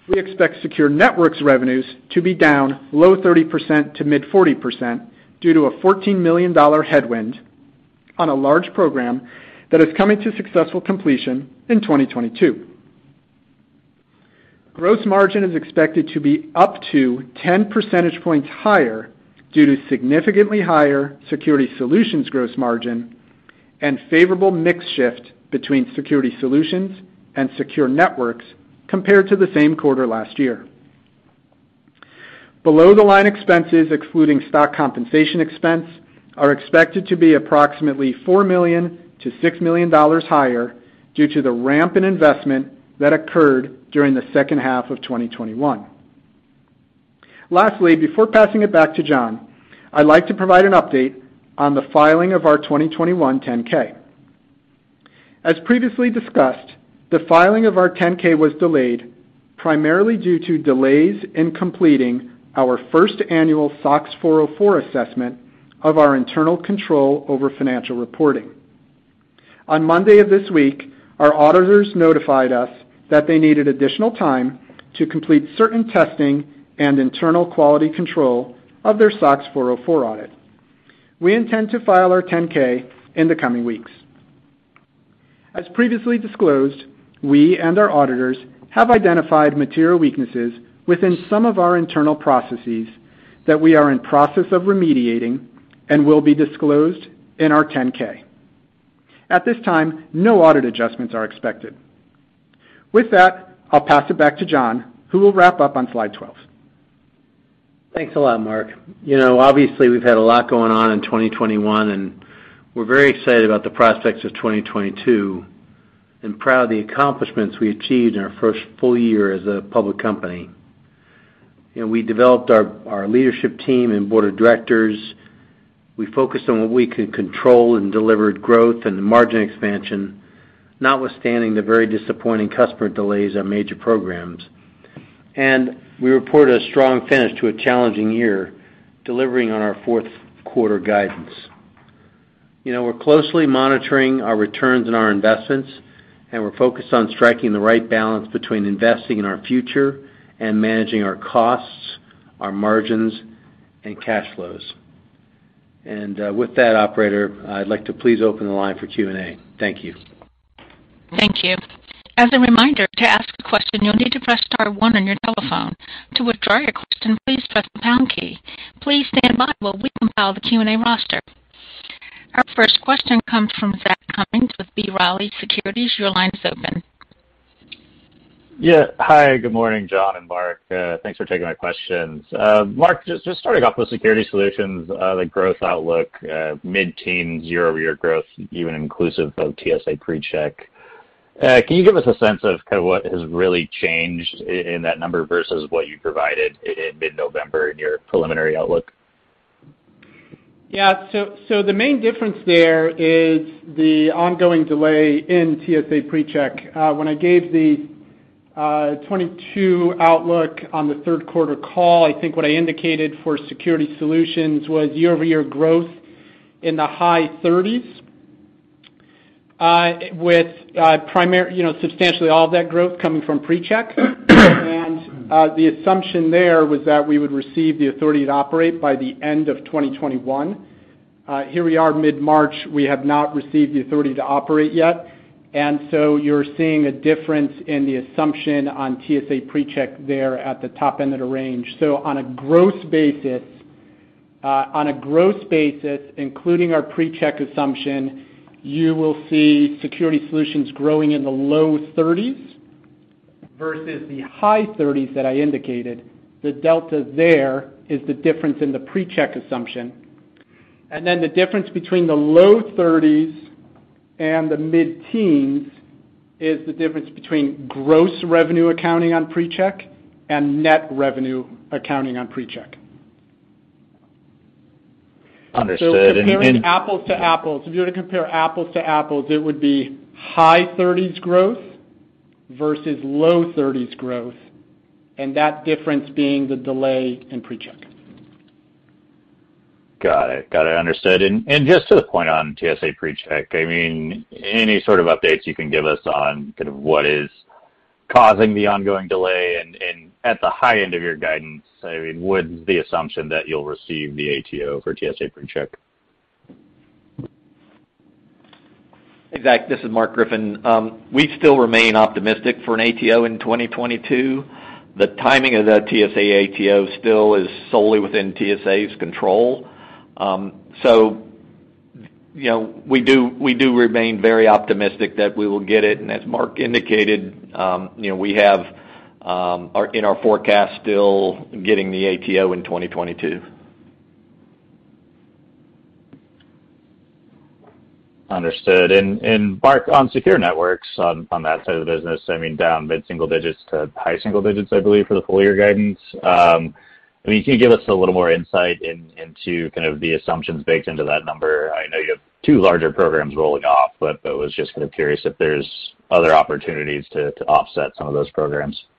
We expect secure networks revenues to be down low-30% to mid-40% due to a $14 million headwind on a large program that is coming to successful completion in 2022. Gross margin is expected to be up to 10 percentage points higher due to significantly higher security solutions gross margin and favorable mix shift between security solutions and secure networks compared to the same quarter last year. Below the line expenses, excluding stock compensation expense, are expected to be approximately $4 million-$6 million higher due to the ramp in investment that occurred during the second half of 2021. Lastly, before passing it back to John, I'd like to provide an update on the filing of our 2021 10-K. As previously discussed, the filing of our 10-K was delayed primarily due to delays in completing our first annual SOX 404 assessment of our internal control over financial reporting. On Monday of this week, our auditors notified us that they needed additional time to complete certain testing and internal quality control of their SOX 404 audit. We intend to file our 10-K in the coming weeks. As previously disclosed, we and our auditors have identified material weaknesses within some of our internal processes that we are in process of remediating and will be disclosed in our 10-K. At this time, no audit adjustments are expected. With that, I'll pass it back to John, who will wrap up on slide 12. Thanks a lot, Mark. You know, obviously, we've had a lot going on in 2021, and we're very excited about the prospects of 2022 and proud of the accomplishments we achieved in our first full year as a public company. You know, we developed our leadership team and board of directors. We focused on what we could control and delivered growth and margin expansion, notwithstanding the very disappointing customer delays on major programs. We report a strong finish to a challenging year, delivering on our fourth quarter guidance. You know, we're closely monitoring our returns on our investments, and we're focused on striking the right balance between investing in our future and managing our costs, our margins, and cash flows. With that, operator, I'd like to please open the line for Q&A. Thank you. Thank you. As a reminder, to ask a question, you'll need to press star one on your telephone. To withdraw your question, please press the pound key. Please stand by while we compile the Q&A roster. Our first question comes from Zach Cummins with B. Riley Securities. Your line is open. Yeah. Hi, good morning, John and Mark. Thanks for taking my questions. Mark, just starting off with Security Solutions, the growth outlook, mid-teen year-over-year growth, even inclusive of TSA PreCheck. Can you give us a sense of kind of what has really changed in that number versus what you provided in mid-November in your preliminary outlook? Yeah. The main difference there is the ongoing delay in TSA PreCheck. When I gave the 2022 outlook on the third quarter call, I think what I indicated for Security Solutions was year-over-year growth in the high 30s%, primarily, you know, substantially all of that growth coming from PreCheck. The assumption there was that we would receive the authority to operate by the end of 2021. Here we are mid-March, we have not received the authority to operate yet, so you're seeing a difference in the assumption on TSA PreCheck there at the top end of the range. On a gross basis, including our PreCheck assumption, you will see Security Solutions growing in the low 30s% versus the high 30s% that I indicated. The delta there is the difference in the PreCheck assumption. The difference between the low 30s and the mid-teens is the difference between gross revenue accounting on PreCheck and net revenue accounting on PreCheck. Understood. Comparing apples to apples. If you were to compare apples to apples, it would be high 30s% growth versus low 30s% growth, and that difference being the delay in PreCheck. Got it. Understood. Just to the point on TSA PreCheck, I mean, any sort of updates you can give us on kind of what is causing the ongoing delay and at the high end of your guidance, I mean, with the assumption that you'll receive the ATO for TSA PreCheck? Hey, Zach, this is Mark Griffin. We still remain optimistic for an ATO in 2022. The timing of that TSA ATO still is solely within TSA's control. So, you know, we do remain very optimistic that we will get it. As Mark indicated, you know, we have our forecast still getting the ATO in 2022. Understood. Mark, on secure networks on that side of the business, I mean, down mid-single digits to high single digits, I believe, for the full year guidance. I mean, can you give us a little more insight into kind of the assumptions baked into that number? I know you have two larger programs rolling off, but I was just kind of curious if there's other opportunities to offset some of those programs. Yeah,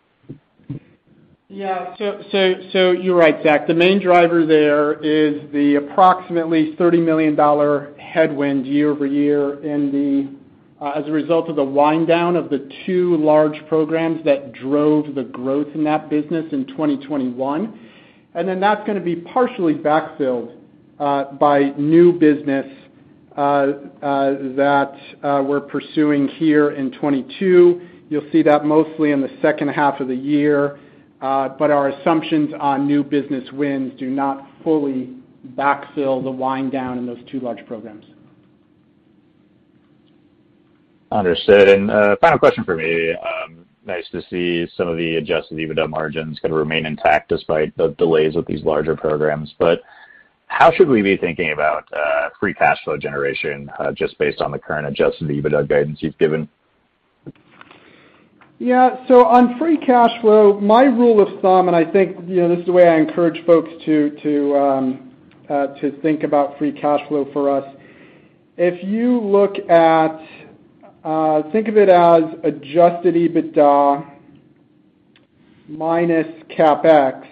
you're right, Zach. The main driver there is the approximately $30 million headwind year-over-year as a result of the wind down of the two large programs that drove the growth in that business in 2021. That's gonna be partially backfilled by new business that we're pursuing here in 2022. You'll see that mostly in the second half of the year. Our assumptions on new business wins do not fully backfill the wind down in those two large programs. Understood. Final question for me, nice to see some of the adjusted EBITDA margins gonna remain intact despite the delays with these larger programs. How should we be thinking about free cash flow generation just based on the current adjusted EBITDA guidance you've given? Yeah. On free cash flow, my rule of thumb, and I think, you know, this is the way I encourage folks to think about free cash flow for us. Think of it as adjusted EBITDA minus CapEx,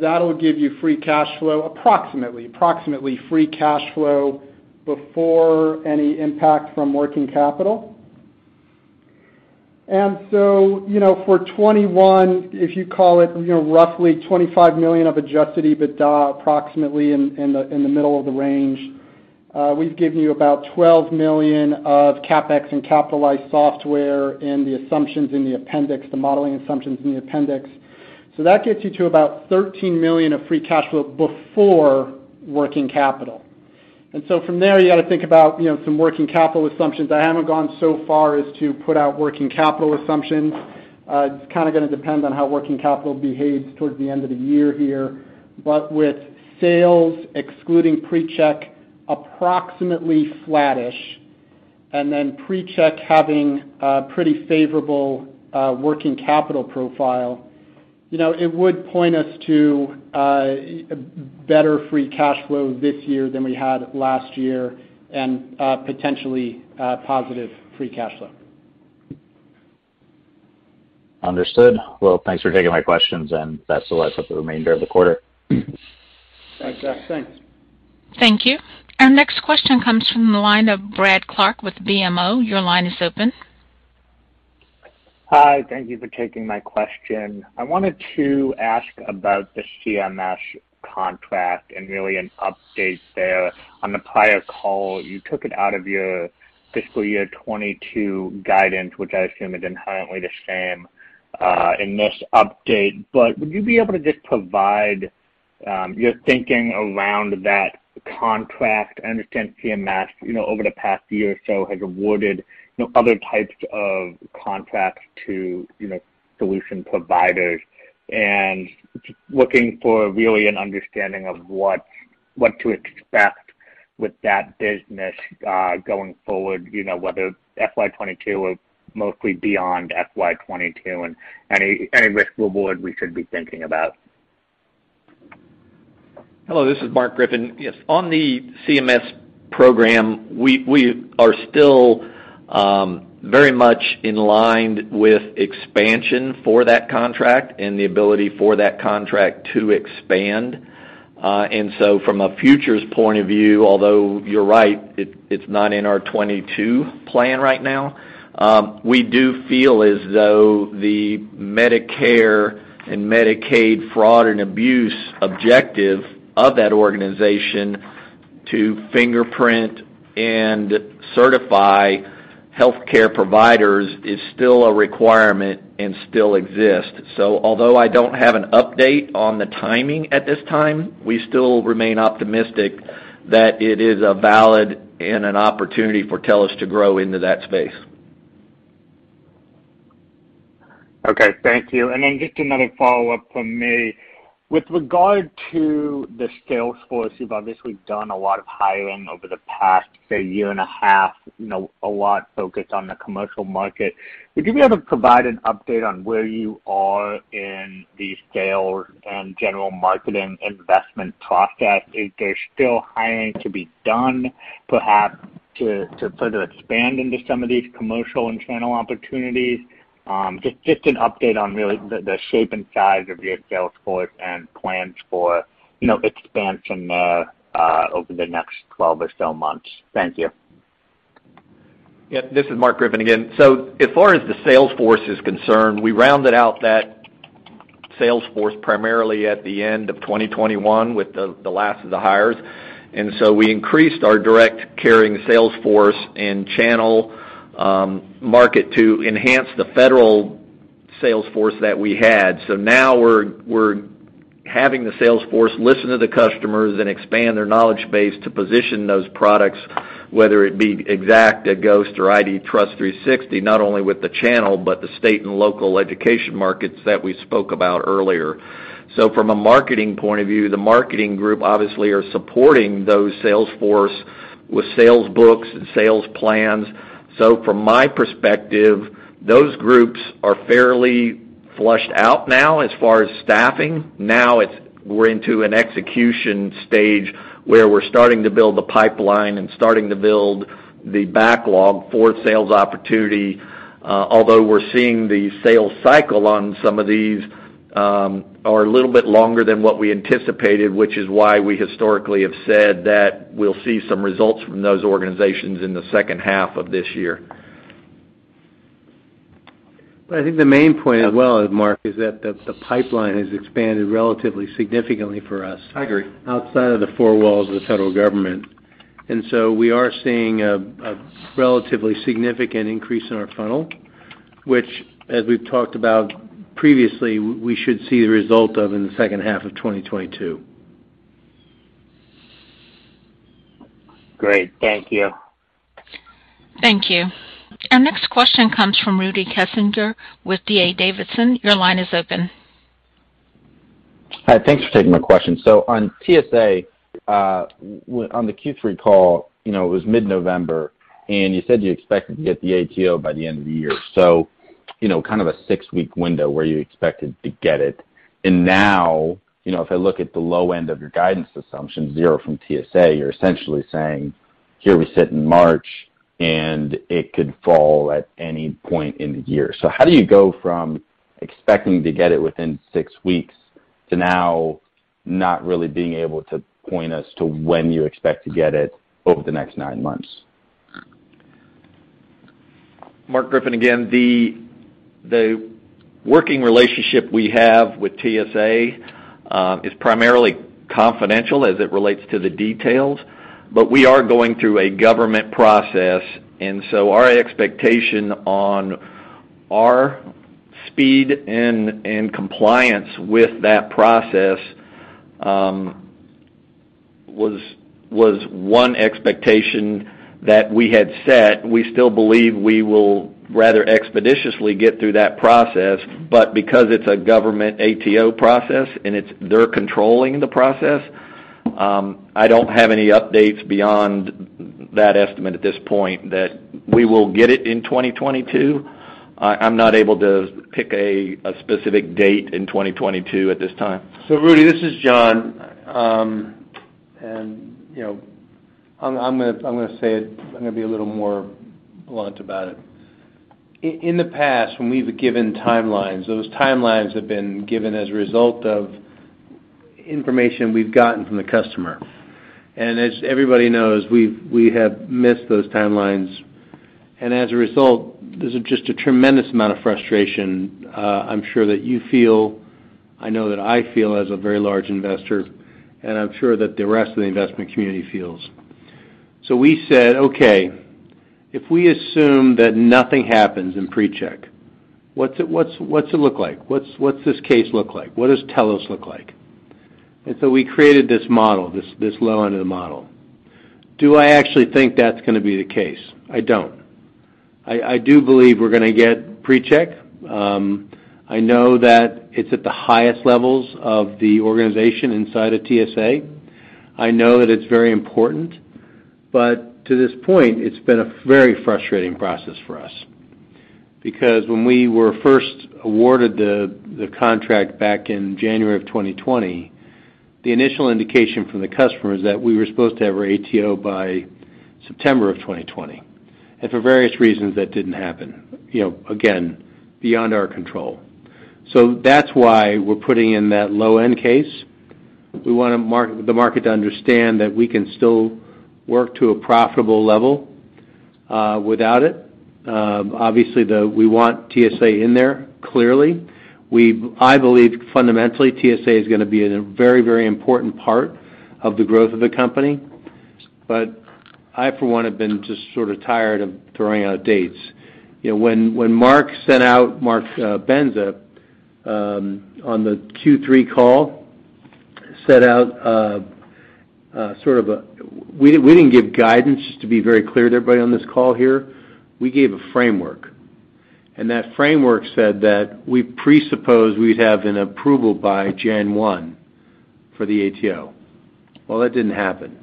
that'll give you free cash flow, approximately. Approximately free cash flow before any impact from working capital. You know, for 2021, if you call it, you know, roughly $25 million of adjusted EBITDA, approximately in the middle of the range, we've given you about $12 million of CapEx and capitalized software in the assumptions in the appendix, the modeling assumptions in the appendix. That gets you to about $13 million of free cash flow before working capital. From there, you got to think about, you know, some working capital assumptions. I haven't gone so far as to put out working capital assumptions. It's kind of gonna depend on how working capital behaves towards the end of the year here. With sales excluding PreCheck approximately flattish, and then PreCheck having a pretty favorable working capital profile, you know, it would point us to better free cash flow this year than we had last year and potentially positive free cash flow. Understood. Well, thanks for taking my questions, and best of luck with the remainder of the quarter. Thanks, Zach. Thanks. Thank you. Our next question comes from the line of Keith Bachman with BMO. Your line is open. Hi. Thank you for taking my question. I wanted to ask about the CMS contract and really an update there. On the prior call, you took it out of your fiscal year 2022 guidance, which I assume is inherently the same in this update. Would you be able to just provide your thinking around that contract? I understand CMS, you know, over the past year or so, has awarded, you know, other types of contracts to, you know, solution providers, and looking for really an understanding of what to expect with that business going forward, you know, whether FY 2022 or mostly beyond FY 2022 and any risk reward we should be thinking about. Hello, this is Mark Griffin. Yes. On the CMS program, we are still very much in line with expansion for that contract and the ability for that contract to expand. From a future's point of view, although you're right, it's not in our 2022 plan right now, we do feel as though the Medicare and Medicaid fraud and abuse objective of that organization to fingerprint and certify healthcare providers is still a requirement and still exists. Although I don't have an update on the timing at this time, we still remain optimistic that it is a valid and an opportunity for Telos to grow into that space. Okay, thank you. Just another follow-up from me. With regard to the sales force, you've obviously done a lot of hiring over the past, say, year and a half, you know, a lot focused on the commercial market. Would you be able to provide an update on where you are in the sales and general marketing investment process? Is there still hiring to be done, perhaps to further expand into some of these commercial and channel opportunities? Just an update on really the shape and size of your sales force and plans for, you know, expansion over the next 12 or so months. Thank you. Yeah. This is Mark Griffin again. As far as the sales force is concerned, we rounded out that sales force primarily at the end of 2021 with the last of the hires. We increased our direct carrying sales force and channel market to enhance the federal sales force that we had. Now we're having the sales force listen to the customers and expand their knowledge base to position those products, whether it be Xacta, Ghost or IDTrust360, not only with the channel, but the state and local education markets that we spoke about earlier. From a marketing point of view, the marketing group obviously are supporting those sales force with sales books and sales plans. From my perspective, those groups are fairly fleshed out now as far as staffing. Now we're into an execution stage where we're starting to build the pipeline and starting to build the backlog for sales opportunity, although we're seeing the sales cycle on some of these are a little bit longer than what we anticipated, which is why we historically have said that we'll see some results from those organizations in the second half of this year. I think the main point as well, Mark, is that the pipeline has expanded relatively significantly for us? I agree. Outside of the four walls of the federal government. We are seeing a relatively significant increase in our funnel, which as we've talked about previously, we should see the result of in the second half of 2022. Great. Thank you. Thank you. Our next question comes from Rudy Kessinger with D.A. Davidson. Your line is open. Hi. Thanks for taking my question. On TSA, on the Q3 call, you know, it was mid-November, and you said you expected to get the ATO by the end of the year. You know, kind of a six-week window where you expected to get it. Now, you know, if I look at the low end of your guidance assumption, zero from TSA, you're essentially saying, here we sit in March, and it could fall at any point in the year. How do you go from expecting to get it within six weeks to now not really being able to point us to when you expect to get it over the next nine months? The working relationship we have with TSA is primarily confidential as it relates to the details, but we are going through a government process. Our expectation on our speed and compliance with that process was one expectation that we had set. We still believe we will rather expeditiously get through that process. Because it's a government ATO process and they're controlling the process, I don't have any updates beyond that estimate at this point that we will get it in 2022. I'm not able to pick a specific date in 2022 at this time. Rudy, this is John. You know, I'm gonna say it, I'm gonna be a little more blunt about it. In the past, when we've given timelines, those timelines have been given as a result of information we've gotten from the customer. As everybody knows, we have missed those timelines. As a result, there's just a tremendous amount of frustration, I'm sure that you feel, I know that I feel as a very large investor, and I'm sure that the rest of the investment community feels. We said, okay, if we assume that nothing happens in PreCheck, what's it look like? What's this case look like? What does Telos look like? We created this model, this low end of the model. Do I actually think that's gonna be the case? I don't. I do believe we're gonna get PreCheck. I know that it's at the highest levels of the organization inside of TSA. I know that it's very important, but to this point, it's been a very frustrating process for us. Because when we were first awarded the contract back in January 2020, the initial indication from the customer is that we were supposed to have our ATO by September 2020. For various reasons, that didn't happen, you know, again, beyond our control. That's why we're putting in that low-end case. We want to mark to the market to understand that we can still work to a profitable level without it. Obviously, we want TSA in there, clearly. I believe fundamentally TSA is gonna be a very, very important part of the growth of the company. I, for one, have been just sort of tired of throwing out dates. You know, when Mark set out, Mark Bendza, on the Q3 call, set out sort of a framework. We didn't give guidance to be very clear to everybody on this call here. We gave a framework. That framework said that we presuppose we'd have an approval by January 1 for the ATO. Well, that didn't happen.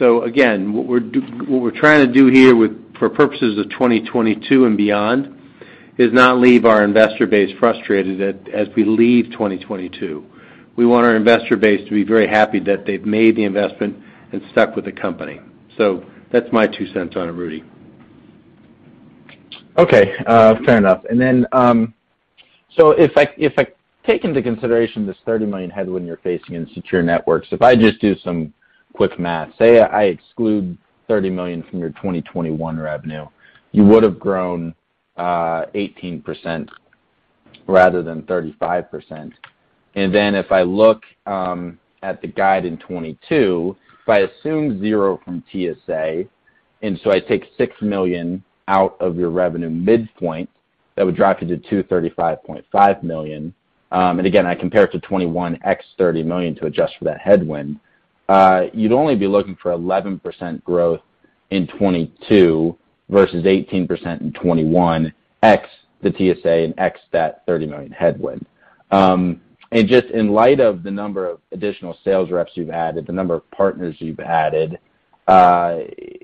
Again, what we're trying to do here for purposes of 2022 and beyond is not leave our investor base frustrated as we leave 2022. We want our investor base to be very happy that they've made the investment and stuck with the company. That's my $0.02 on it, Rudy. Okay, fair enough. If I take into consideration this $30 million headwind you're facing in secure networks, if I just do some quick math, say I exclude $30 million from your 2021 revenue, you would have grown 18% rather than 35%. If I look at the guide in 2022, if I assume zero from TSA, I take $6 million out of your revenue midpoint, that would drop you to $235.5 million. Again, I compare it to 2021 ex $30 million to adjust for that headwind. You'd only be looking for 11% growth in 2022 versus 18% in 2021, ex the TSA and ex that $30 million headwind. Just in light of the number of additional sales reps you've added, the number of partners you've added,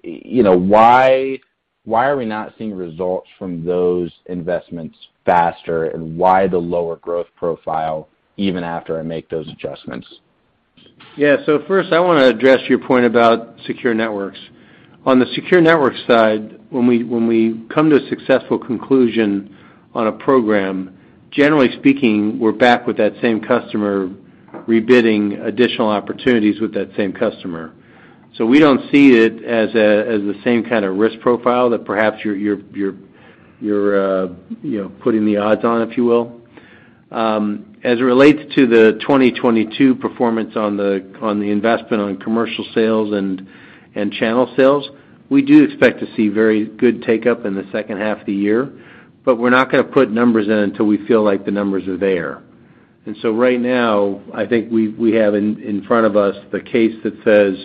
you know, why are we not seeing results from those investments faster, and why the lower growth profile even after I make those adjustments? Yeah. First, I wanna address your point about secure networks. On the secure network side, when we come to a successful conclusion on a program, generally speaking, we're back with that same customer rebidding additional opportunities with that same customer. We don't see it as the same kind of risk profile that perhaps you're, you know, putting the odds on, if you will. As it relates to the 2022 performance on the investment on commercial sales and channel sales, we do expect to see very good take-up in the second half of the year, but we're not gonna put numbers in until we feel like the numbers are there. Right now, I think we have in front of us the case that says,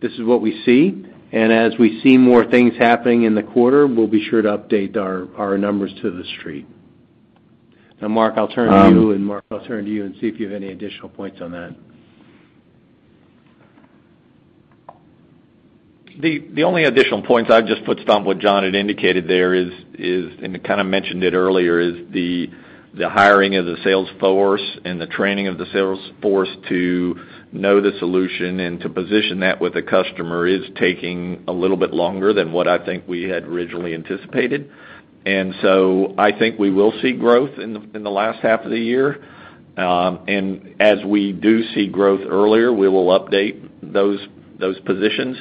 "This is what we see," and as we see more things happening in the quarter, we'll be sure to update our numbers to the street. Now, Mark, I'll turn to you and see if you have any additional points on that. The only additional points I'd just put a stamp on what John had indicated there is, and he kinda mentioned it earlier, is the hiring of the sales force and the training of the sales force to know the solution and to position that with the customer is taking a little bit longer than what I think we had originally anticipated. I think we will see growth in the last half of the year. As we do see growth earlier, we will update those positions.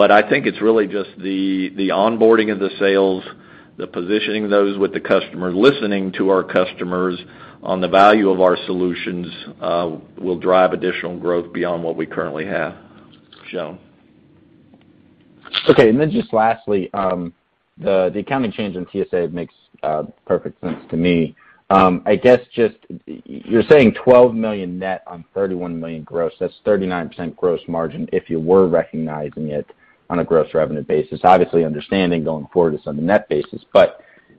I think it's really just the onboarding of the sales, the positioning those with the customer, listening to our customers on the value of our solutions, will drive additional growth beyond what we currently have shown. Okay. Just lastly, the accounting change in TSA makes perfect sense to me. I guess just you're saying $12 million net on $31 million gross. That's 39% gross margin if you were recognizing it on a gross revenue basis. Obviously, understanding going forward it's on a net basis.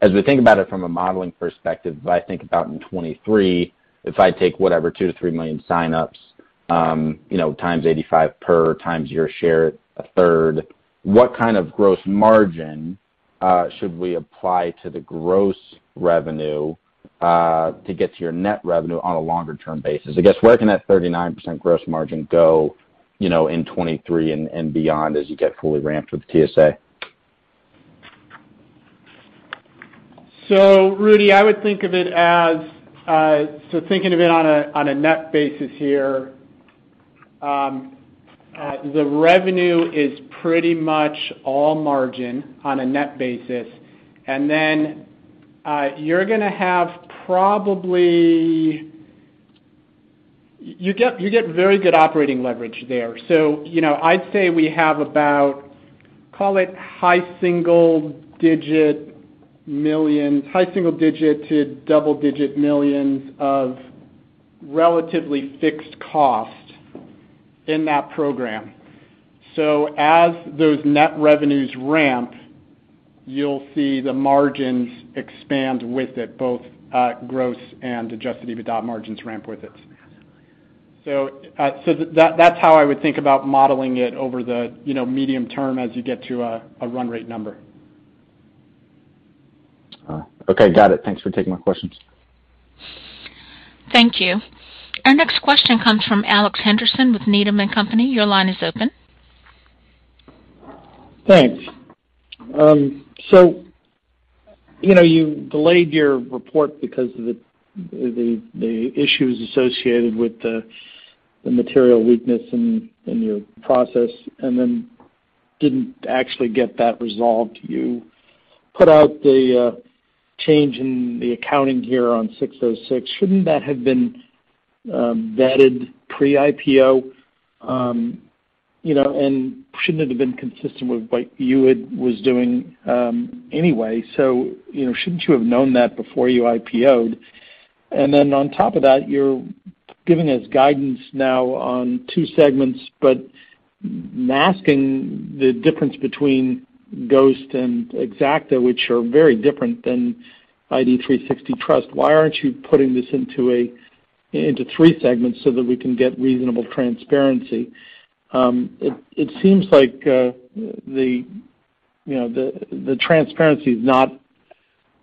As we think about it from a modeling perspective, if I think about in 2023, if I take whatever, 2 million-3 million sign-ups, you know, times $85 per times your share, 1/3, what kind of gross margin should we apply to the gross revenue to get to your net revenue on a longer term basis? I guess, where can that 39% gross margin go, you know, in 2023 and beyond as you get fully ramped with TSA? Rudy, I would think of it as, thinking of it on a net basis here, the revenue is pretty much all margin on a net basis. Then, you're gonna have probably you get very good operating leverage there. You know, I'd say we have about, call it high single-digit to double-digit millions of relatively fixed cost in that program. As those net revenues ramp, you'll see the margins expand with it, both gross and adjusted EBITDA margins ramp with it. That, that's how I would think about modeling it over the, you know, medium term as you get to a run rate number. All right. Okay. Got it. Thanks for taking my questions. Thank you. Our next question comes from Alex Henderson with Needham & Company. Your line is open. Thanks. You know, you delayed your report because of the issues associated with the material weakness in your process and then didn't actually get that resolved. You put out the change in the accounting here on 606. Shouldn't that have been vetted pre-IPO? You know, and shouldn't it have been consistent with what was doing anyway? You know, shouldn't you have known that before you IPO'd? Then on top of that, you're giving us guidance now on two segments, but masking the difference between Ghost and Xacta, which are very different than IDTrust360. Why aren't you putting this into three segments so that we can get reasonable transparency? It seems like the transparency is not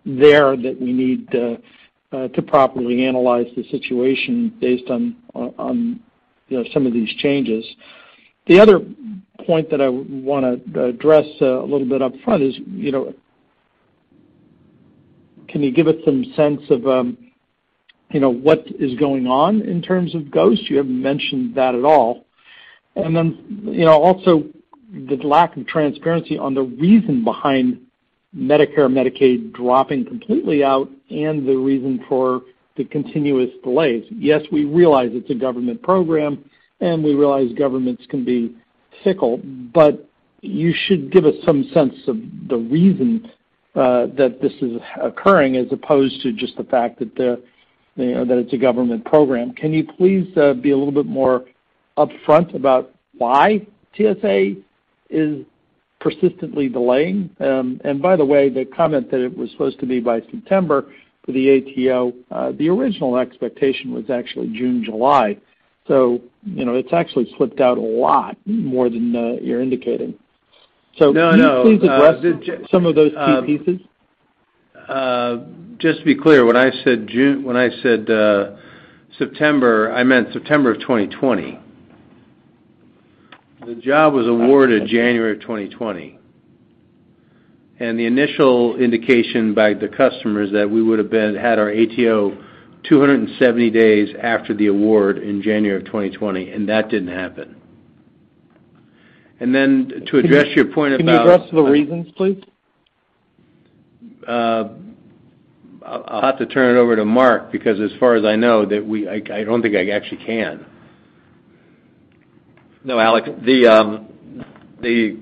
there that we need to properly analyze the situation based on you know some of these changes. The other point that I wanna address a little bit upfront is you know can you give us some sense of you know what is going on in terms of Ghost. You haven't mentioned that at all. You know also the lack of transparency on the reason behind Medicare, Medicaid dropping completely out and the reason for the continuous delays. Yes, we realize it's a government program, and we realize governments can be fickle, but you should give us some sense of the reasons that this is occurring as opposed to just the fact that you know that it's a government program. Can you please be a little bit more upfront about why TSA is persistently delaying? By the way, the comment that it was supposed to be by September for the ATO, the original expectation was actually June, July. You know, it's actually slipped out a lot more than you're indicating. Can you please address some of those key pieces? Just to be clear, when I said September, I meant September of 2020. The job was awarded January of 2020. The initial indication by the customer is that we would have had our ATO 270 days after the award in January of 2020, and that didn't happen. Then to address your point about. Can you address the reasons, please? I'll have to turn it over to Mark because as far as I know I don't think I actually can. No, Alex, the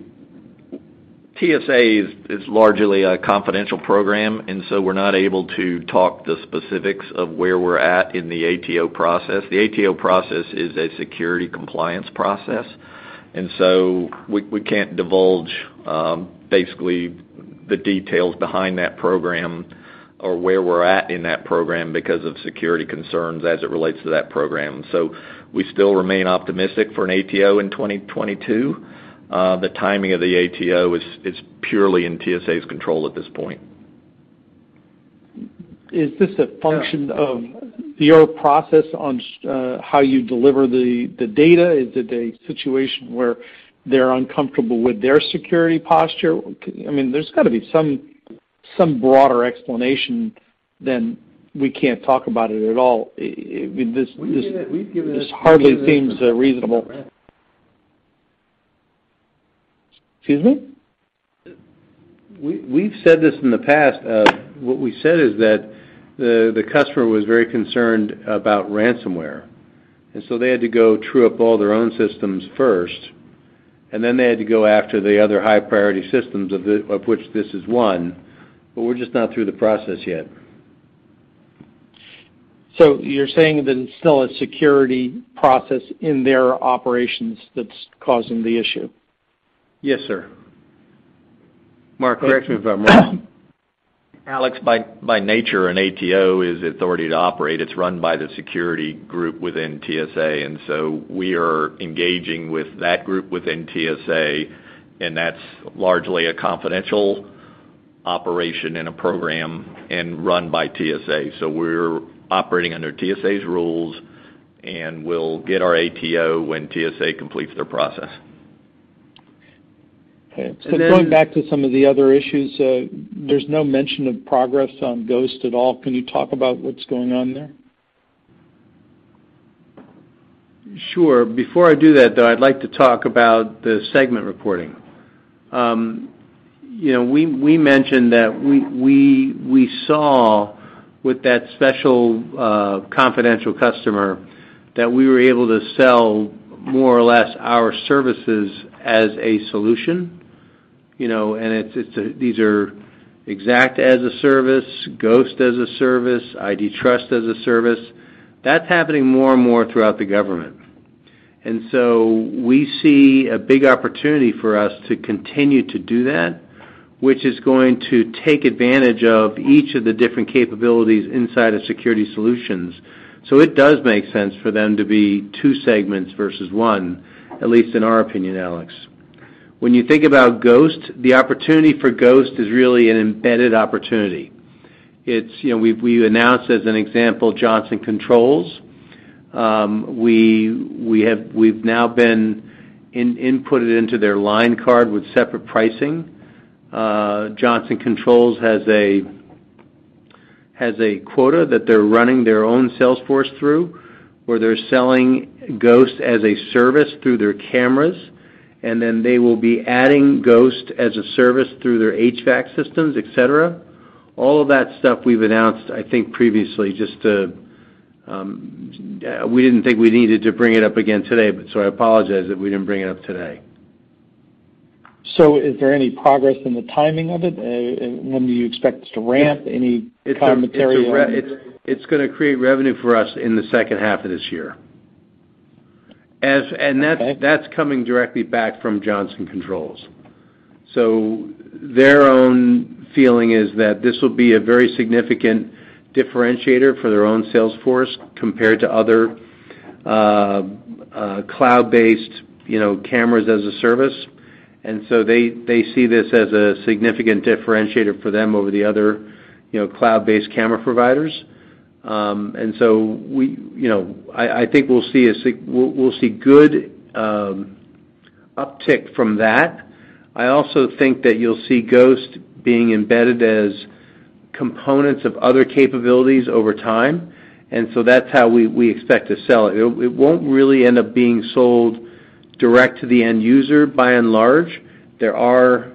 TSA is largely a confidential program, and so we're not able to talk the specifics of where we're at in the ATO process. The ATO process is a security compliance process. We can't divulge basically the details behind that program or where we're at in that program because of security concerns as it relates to that program. We still remain optimistic for an ATO in 2022. The timing of the ATO is purely in TSA's control at this point. Is this a function of your process on how you deliver the data? Is it a situation where they're uncomfortable with their security posture? I mean, there's gotta be some broader explanation than we can't talk about it at all. I mean, this. We've given it. This hardly seems reasonable. Excuse me? We've said this in the past. What we said is that the customer was very concerned about ransomware, and so they had to true up all their own systems first, and then they had to go after the other high-priority systems of which this is one, but we're just not through the process yet. You're saying that it's still a security process in their operations that's causing the issue? Yes, sir. Mark, correct me if I'm wrong. Alex, by nature, an ATO is authority to operate. It's run by the security group within TSA. We are engaging with that group within TSA, and that's largely a confidential operation in a program and run by TSA. We're operating under TSA's rules, and we'll get our ATO when TSA completes their process. Okay. Going back to some of the other issues, there's no mention of progress on Ghost at all. Can you talk about what's going on there? Sure. Before I do that, though, I'd like to talk about the segment reporting. You know, we mentioned that we saw with that special confidential customer that we were able to sell more or less our services as a solution, you know. It's these are Xacta as a service, Ghost as a service, IDTrust360 as a service. That's happening more and more throughout the government. We see a big opportunity for us to continue to do that, which is going to take advantage of each of the different capabilities inside of Security Solutions. It does make sense for them to be two segments versus one, at least in our opinion, Alex. When you think about Ghost, the opportunity for Ghost is really an embedded opportunity. It's, you know, we've announced as an example Johnson Controls. We have now been inputted into their line card with separate pricing. Johnson Controls has a quota that they're running their own sales force through, where they're selling Ghost as a service through their cameras, and then they will be adding Ghost as a service through their HVAC systems, et cetera. All of that stuff we've announced, I think, previously. We didn't think we needed to bring it up again today, but I apologize that we didn't bring it up today. Is there any progress in the timing of it? When do you expect it to ramp? Any commentary on. It's gonna create revenue for us in the second half of this year. Okay. That's coming directly back from Johnson Controls. Their own feeling is that this will be a very significant differentiator for their own sales force compared to other, cloud-based, you know, cameras as a service. They see this as a significant differentiator for them over the other, you know, cloud-based camera providers. You know, I think we'll see good uptick from that. I also think that you'll see Ghost being embedded as components of other capabilities over time. That's how we expect to sell it. It won't really end up being sold direct to the end user by and large. There are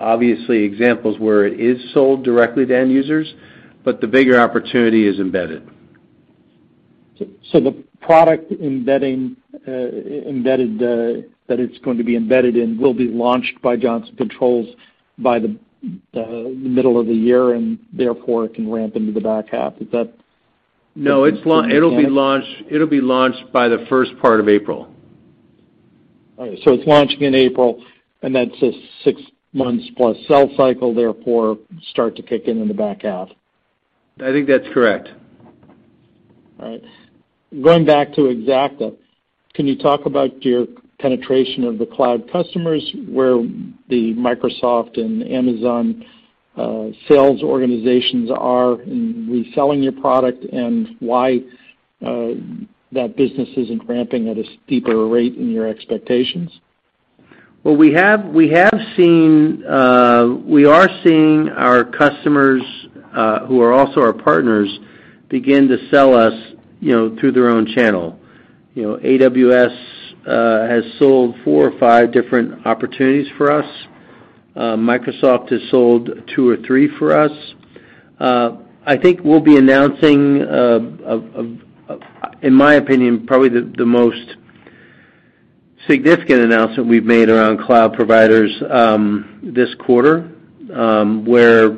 obviously examples where it is sold directly to end users, but the bigger opportunity is embedded. The product embedded that it's going to be embedded in will be launched by Johnson Controls by the middle of the year, and therefore it can ramp into the back half. Is that- No, it'll be launched by the first part of April. All right. It's launching in April, and that's a six months plus sell cycle, therefore start to kick in in the back half. I think that's correct. All right. Going back to Xacta, can you talk about your penetration of the cloud customers, where the Microsoft and Amazon sales organizations are in reselling your product, and why that business isn't ramping at a steeper rate in your expectations? We have seen our customers who are also our partners begin to sell us, you know, through their own channel. You know, AWS has sold four or five different opportunities for us. Microsoft has sold two or three for us. I think we'll be announcing, in my opinion, probably the most significant announcement we've made around cloud providers this quarter, where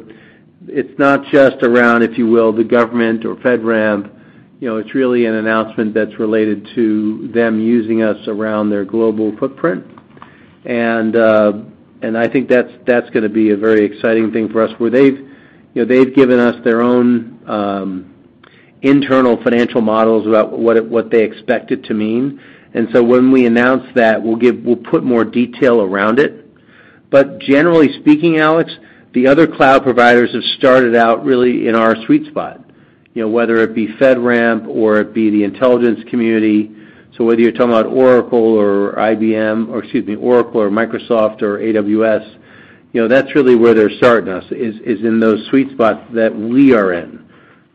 it's not just around, if you will, the government or FedRAMP. You know, it's really an announcement that's related to them using us around their global footprint. I think that's gonna be a very exciting thing for us, where they've, you know, given us their own internal financial models about what they expect it to mean. When we announce that, we'll put more detail around it. Generally speaking, Alex, the other cloud providers have started out really in our sweet spot, you know, whether it be FedRAMP or it be the intelligence community. Whether you're talking about Oracle or IBM, or excuse me, Oracle or Microsoft or AWS, you know, that's really where they're starting us, is in those sweet spots that we are in.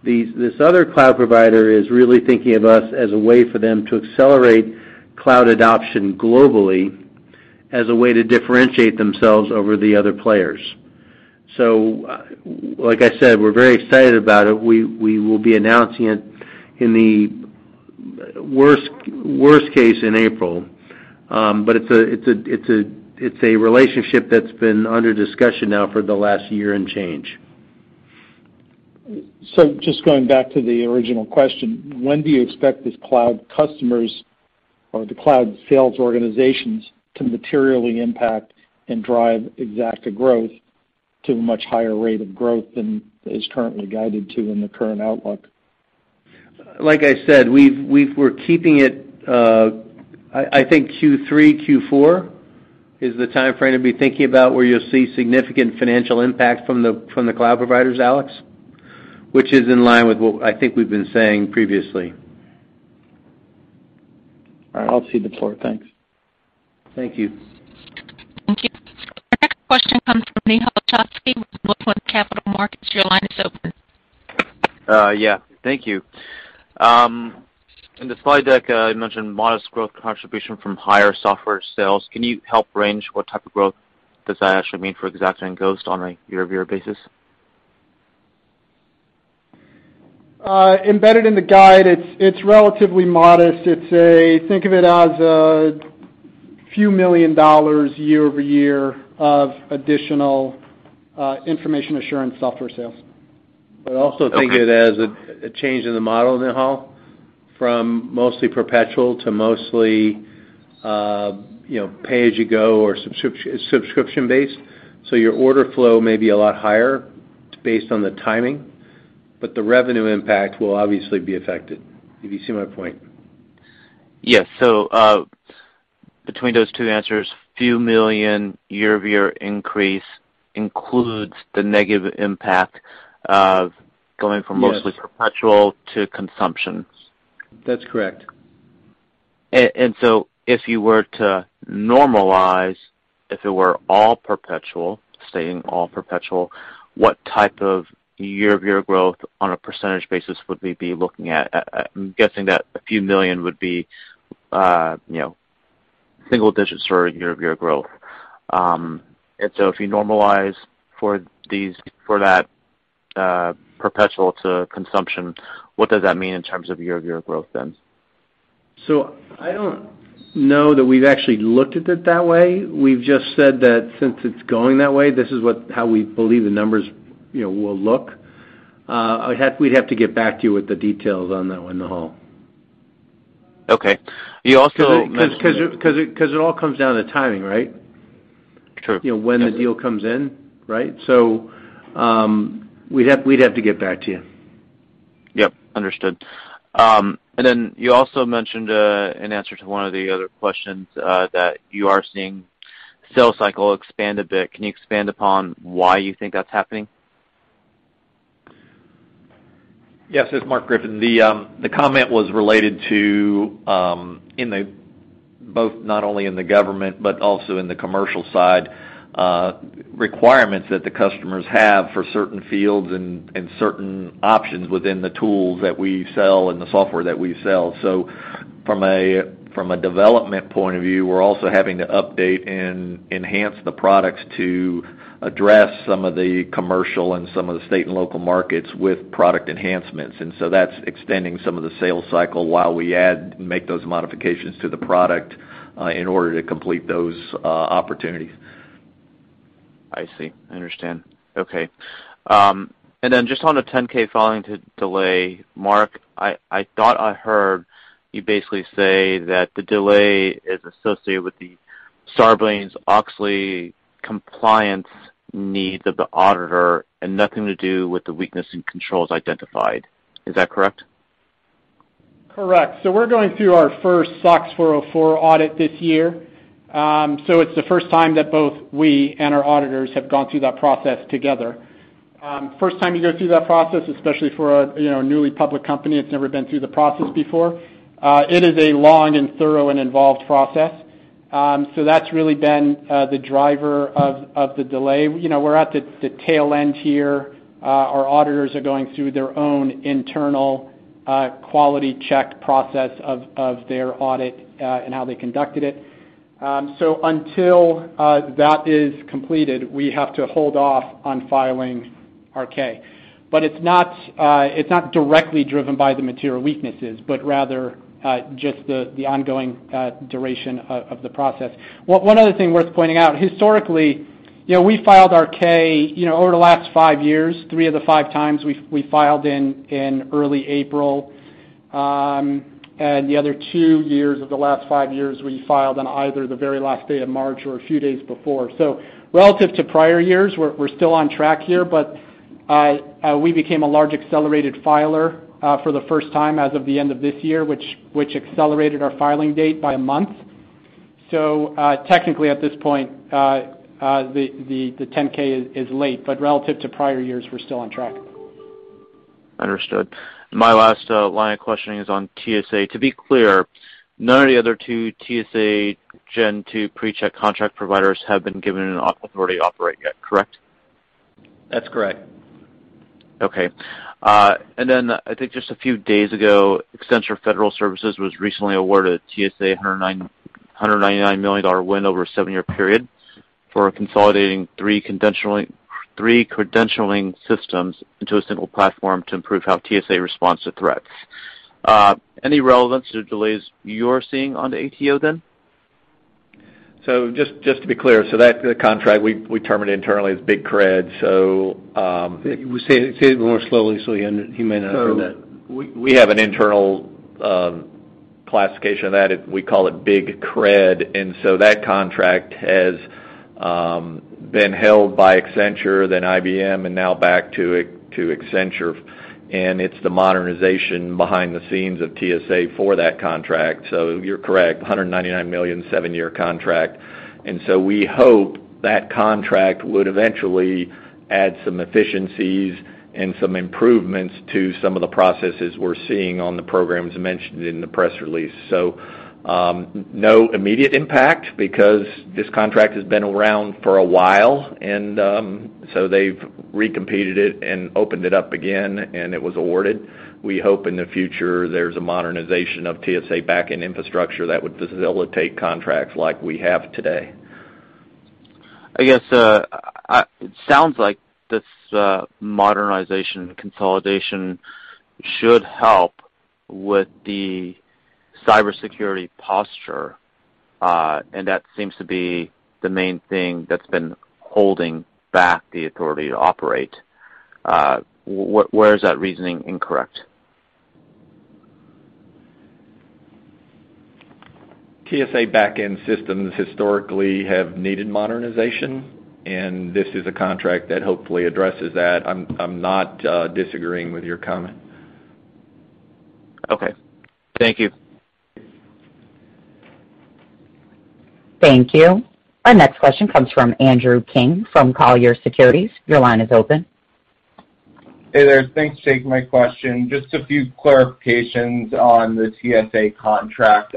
This other cloud provider is really thinking of us as a way for them to accelerate cloud adoption globally as a way to differentiate themselves over the other players. Like I said, we're very excited about it. We will be announcing it in the worst case in April. It's a relationship that's been under discussion now for the last year and change. Just going back to the original question. When do you expect these cloud customers or the cloud sales organizations to materially impact and drive Xacta growth to a much higher rate of growth than is currently guided to in the current outlook? Like I said, we're keeping it. I think Q3, Q4 is the timeframe to be thinking about where you'll see significant financial impact from the cloud providers, Alex, which is in line with what I think we've been saying previously. All right, I'll cede the floor. Thanks. Thank you. Thank you. The next question comes from Nehal Chokshi with Northland Capital Markets. Your line is open. Yeah. Thank you. In the slide deck, you mentioned modest growth contribution from higher software sales. Can you help range what type of growth does that actually mean for Xacta and Ghost on a year-over-year basis? Embedded in the guide, it's relatively modest. It's think of it as a few million dollars year-over-year of additional information assurance software sales. Also think it as a change in the model, Nehal, from mostly perpetual to mostly, you know, pay-as-you-go or subscription-based. So your order flow may be a lot higher based on the timing, but the revenue impact will obviously be affected, if you see my point. Yes. Between those two answers, few million year-over-year increase includes the negative impact of going from. Yes. Mostly perpetual to consumption. That's correct. If you were to normalize, if it were all perpetual, staying all perpetual, what type of year-over-year growth on a percentage basis would we be looking at? I'm guessing that a few million would be, you know, single digits for a year-over-year growth. If you normalize for that perpetual to consumption, what does that mean in terms of year-over-year growth then? I don't know that we've actually looked at it that way. We've just said that since it's going that way, this is how we believe the numbers, you know, will look. We'd have to get back to you with the details on that one, Nehal. Okay. You also mentioned. 'Cause it all comes down to timing, right? True. You know, when the deal comes in, right? We'd have to get back to you. Yep, understood. You also mentioned, in answer to one of the other questions, that you are seeing sales cycle expand a bit. Can you expand upon why you think that's happening? Yes. This is Mark Griffin. The comment was related to both not only in the government but also in the commercial side, requirements that the customers have for certain fields and certain options within the tools that we sell and the software that we sell. From a development point of view, we're also having to update and enhance the products to address some of the commercial and some of the state and local markets with product enhancements. That's extending some of the sales cycle while we make those modifications to the product in order to complete those opportunities. I see. I understand. Okay. Just on the 10-K filing delay, Mark, I thought I heard you basically say that the delay is associated with the Sarbanes-Oxley compliance needs of the auditor and nothing to do with the weakness in controls identified. Is that correct? Correct. We're going through our first SOX 404 audit this year. It's the first time that both we and our auditors have gone through that process together. First time you go through that process, especially for a, you know, a newly public company that's never been through the process before, it is a long and thorough and involved process. That's really been the driver of the delay. You know, we're at the tail end here. Our auditors are going through their own internal quality check process of their audit and how they conducted it. Until that is completed, we have to hold off on filing our 10-K. It's not directly driven by the material weaknesses, but rather just the ongoing duration of the process. One other thing worth pointing out, historically, you know, we filed our 10-K, you know, over the last five years, three of the five times, we filed in early April. The other two years of the last five years, we filed on either the very last day of March or a few days before. Relative to prior years, we're still on track here, but we became a large accelerated filer for the first time as of the end of this year, which accelerated our filing date by a month. Technically at this point, the 10-K is late, but relative to prior years, we're still on track. Understood. My last line of questioning is on TSA. To be clear, none of the other two TSA Gen 2 PreCheck contract providers have been given an Authority to Operate yet, correct? That's correct. I think just a few days ago, Accenture Federal Services was recently awarded TSA $199 million win over a seven-year period for consolidating three credentialing systems into a single platform to improve how TSA responds to threats. Any relevance to delays you're seeing on the ATO then? Just to be clear, the contract we term it internally as Big Cred. Say it more slowly so he may not have heard that. We have an internal classification of that. We call it Big Cred. That contract has been held by Accenture, then IBM, and now back to Accenture. It's the modernization behind the scenes of TSA for that contract. You're correct, $199 million seven-year contract. We hope that contract would eventually add some efficiencies and some improvements to some of the processes we're seeing on the programs mentioned in the press release. No immediate impact because this contract has been around for a while. They've recompeted it and opened it up again, and it was awarded. We hope in the future there's a modernization of TSA backend infrastructure that would facilitate contracts like we have today. I guess it sounds like this modernization consolidation should help with the cybersecurity posture, and that seems to be the main thing that's been holding back the authority to operate. Where is that reasoning incorrect? TSA backend systems historically have needed modernization, and this is a contract that hopefully addresses that. I'm not disagreeing with your comment. Okay. Thank you. Thank you. Our next question comes from Andrew King from Colliers Securities. Your line is open. Hey there. Thanks for taking my question. Just a few clarifications on the TSA contract.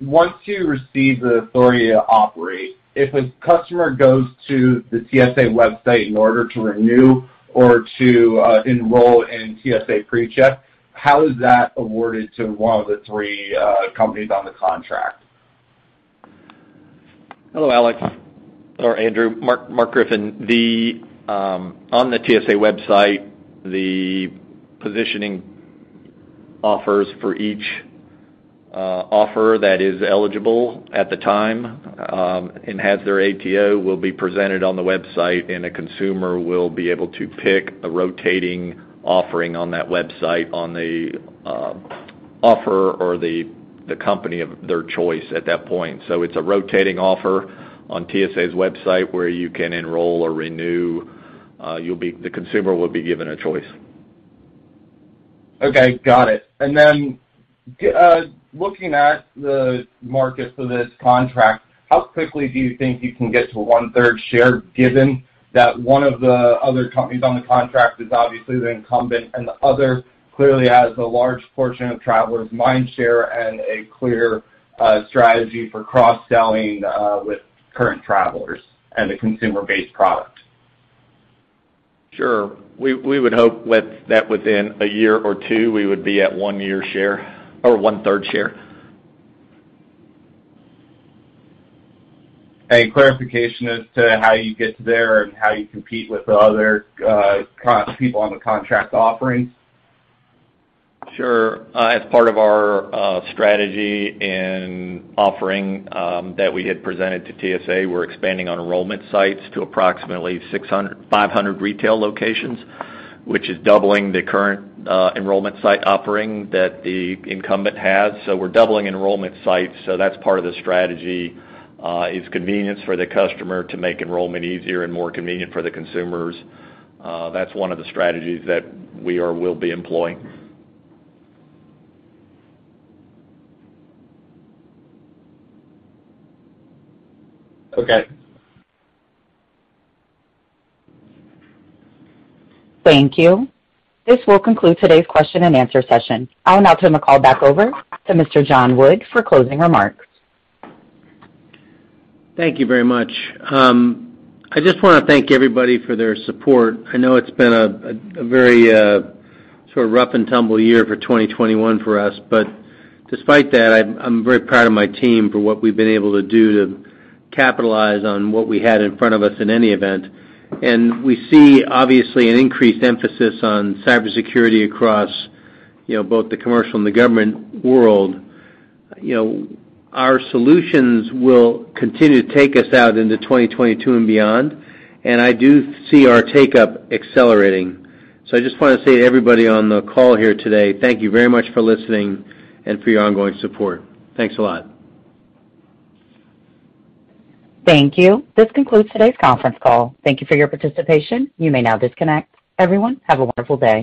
Once you receive the Authority to Operate, if a customer goes to the TSA website in order to renew or to enroll in TSA PreCheck, how is that awarded to one of the three companies on the contract? Hello, Andrew. Mark Griffin. On the TSA website, the positioning offers for each offer that is eligible at the time and has their ATO will be presented on the website, and a consumer will be able to pick a rotating offering on that website on the offer or the company of their choice at that point. It's a rotating offer on TSA's website where you can enroll or renew. The consumer will be given a choice. Okay, got it. Looking at the markets of this contract, how quickly do you think you can get to 1/3 share, given that one of the other companies on the contract is obviously the incumbent, and the other clearly has a large portion of travelers' mindshare and a clear strategy for cross-selling with current travelers and a consumer-based product? Sure. We would hope that within a year or two, we would be at one year share or 1/3 share. Any clarification as to how you get there and how you compete with the other people on the contract offerings? Sure. As part of our strategy and offering that we had presented to TSA, we're expanding on enrollment sites to approximately 500 retail locations, which is doubling the current enrollment site offering that the incumbent has. We're doubling enrollment sites. That's part of the strategy is convenience for the customer to make enrollment easier and more convenient for the consumers. That's one of the strategies that we will be employing. Okay. Thank you. This will conclude today's question and answer session. I will now turn the call back over to Mr. John Wood for closing remarks. Thank you very much. I just want to thank everybody for their support. I know it's been a very sort of rough and tumble year for 2021 for us, but despite that, I'm very proud of my team for what we've been able to do to capitalize on what we had in front of us in any event. We see obviously an increased emphasis on cybersecurity across, you know, both the commercial and the government world. You know, our solutions will continue to take us out into 2022 and beyond, and I do see our take-up accelerating. I just want to say to everybody on the call here today, thank you very much for listening and for your ongoing support. Thanks a lot. Thank you. This concludes today's conference call. Thank you for your participation. You may now disconnect. Everyone, have a wonderful day.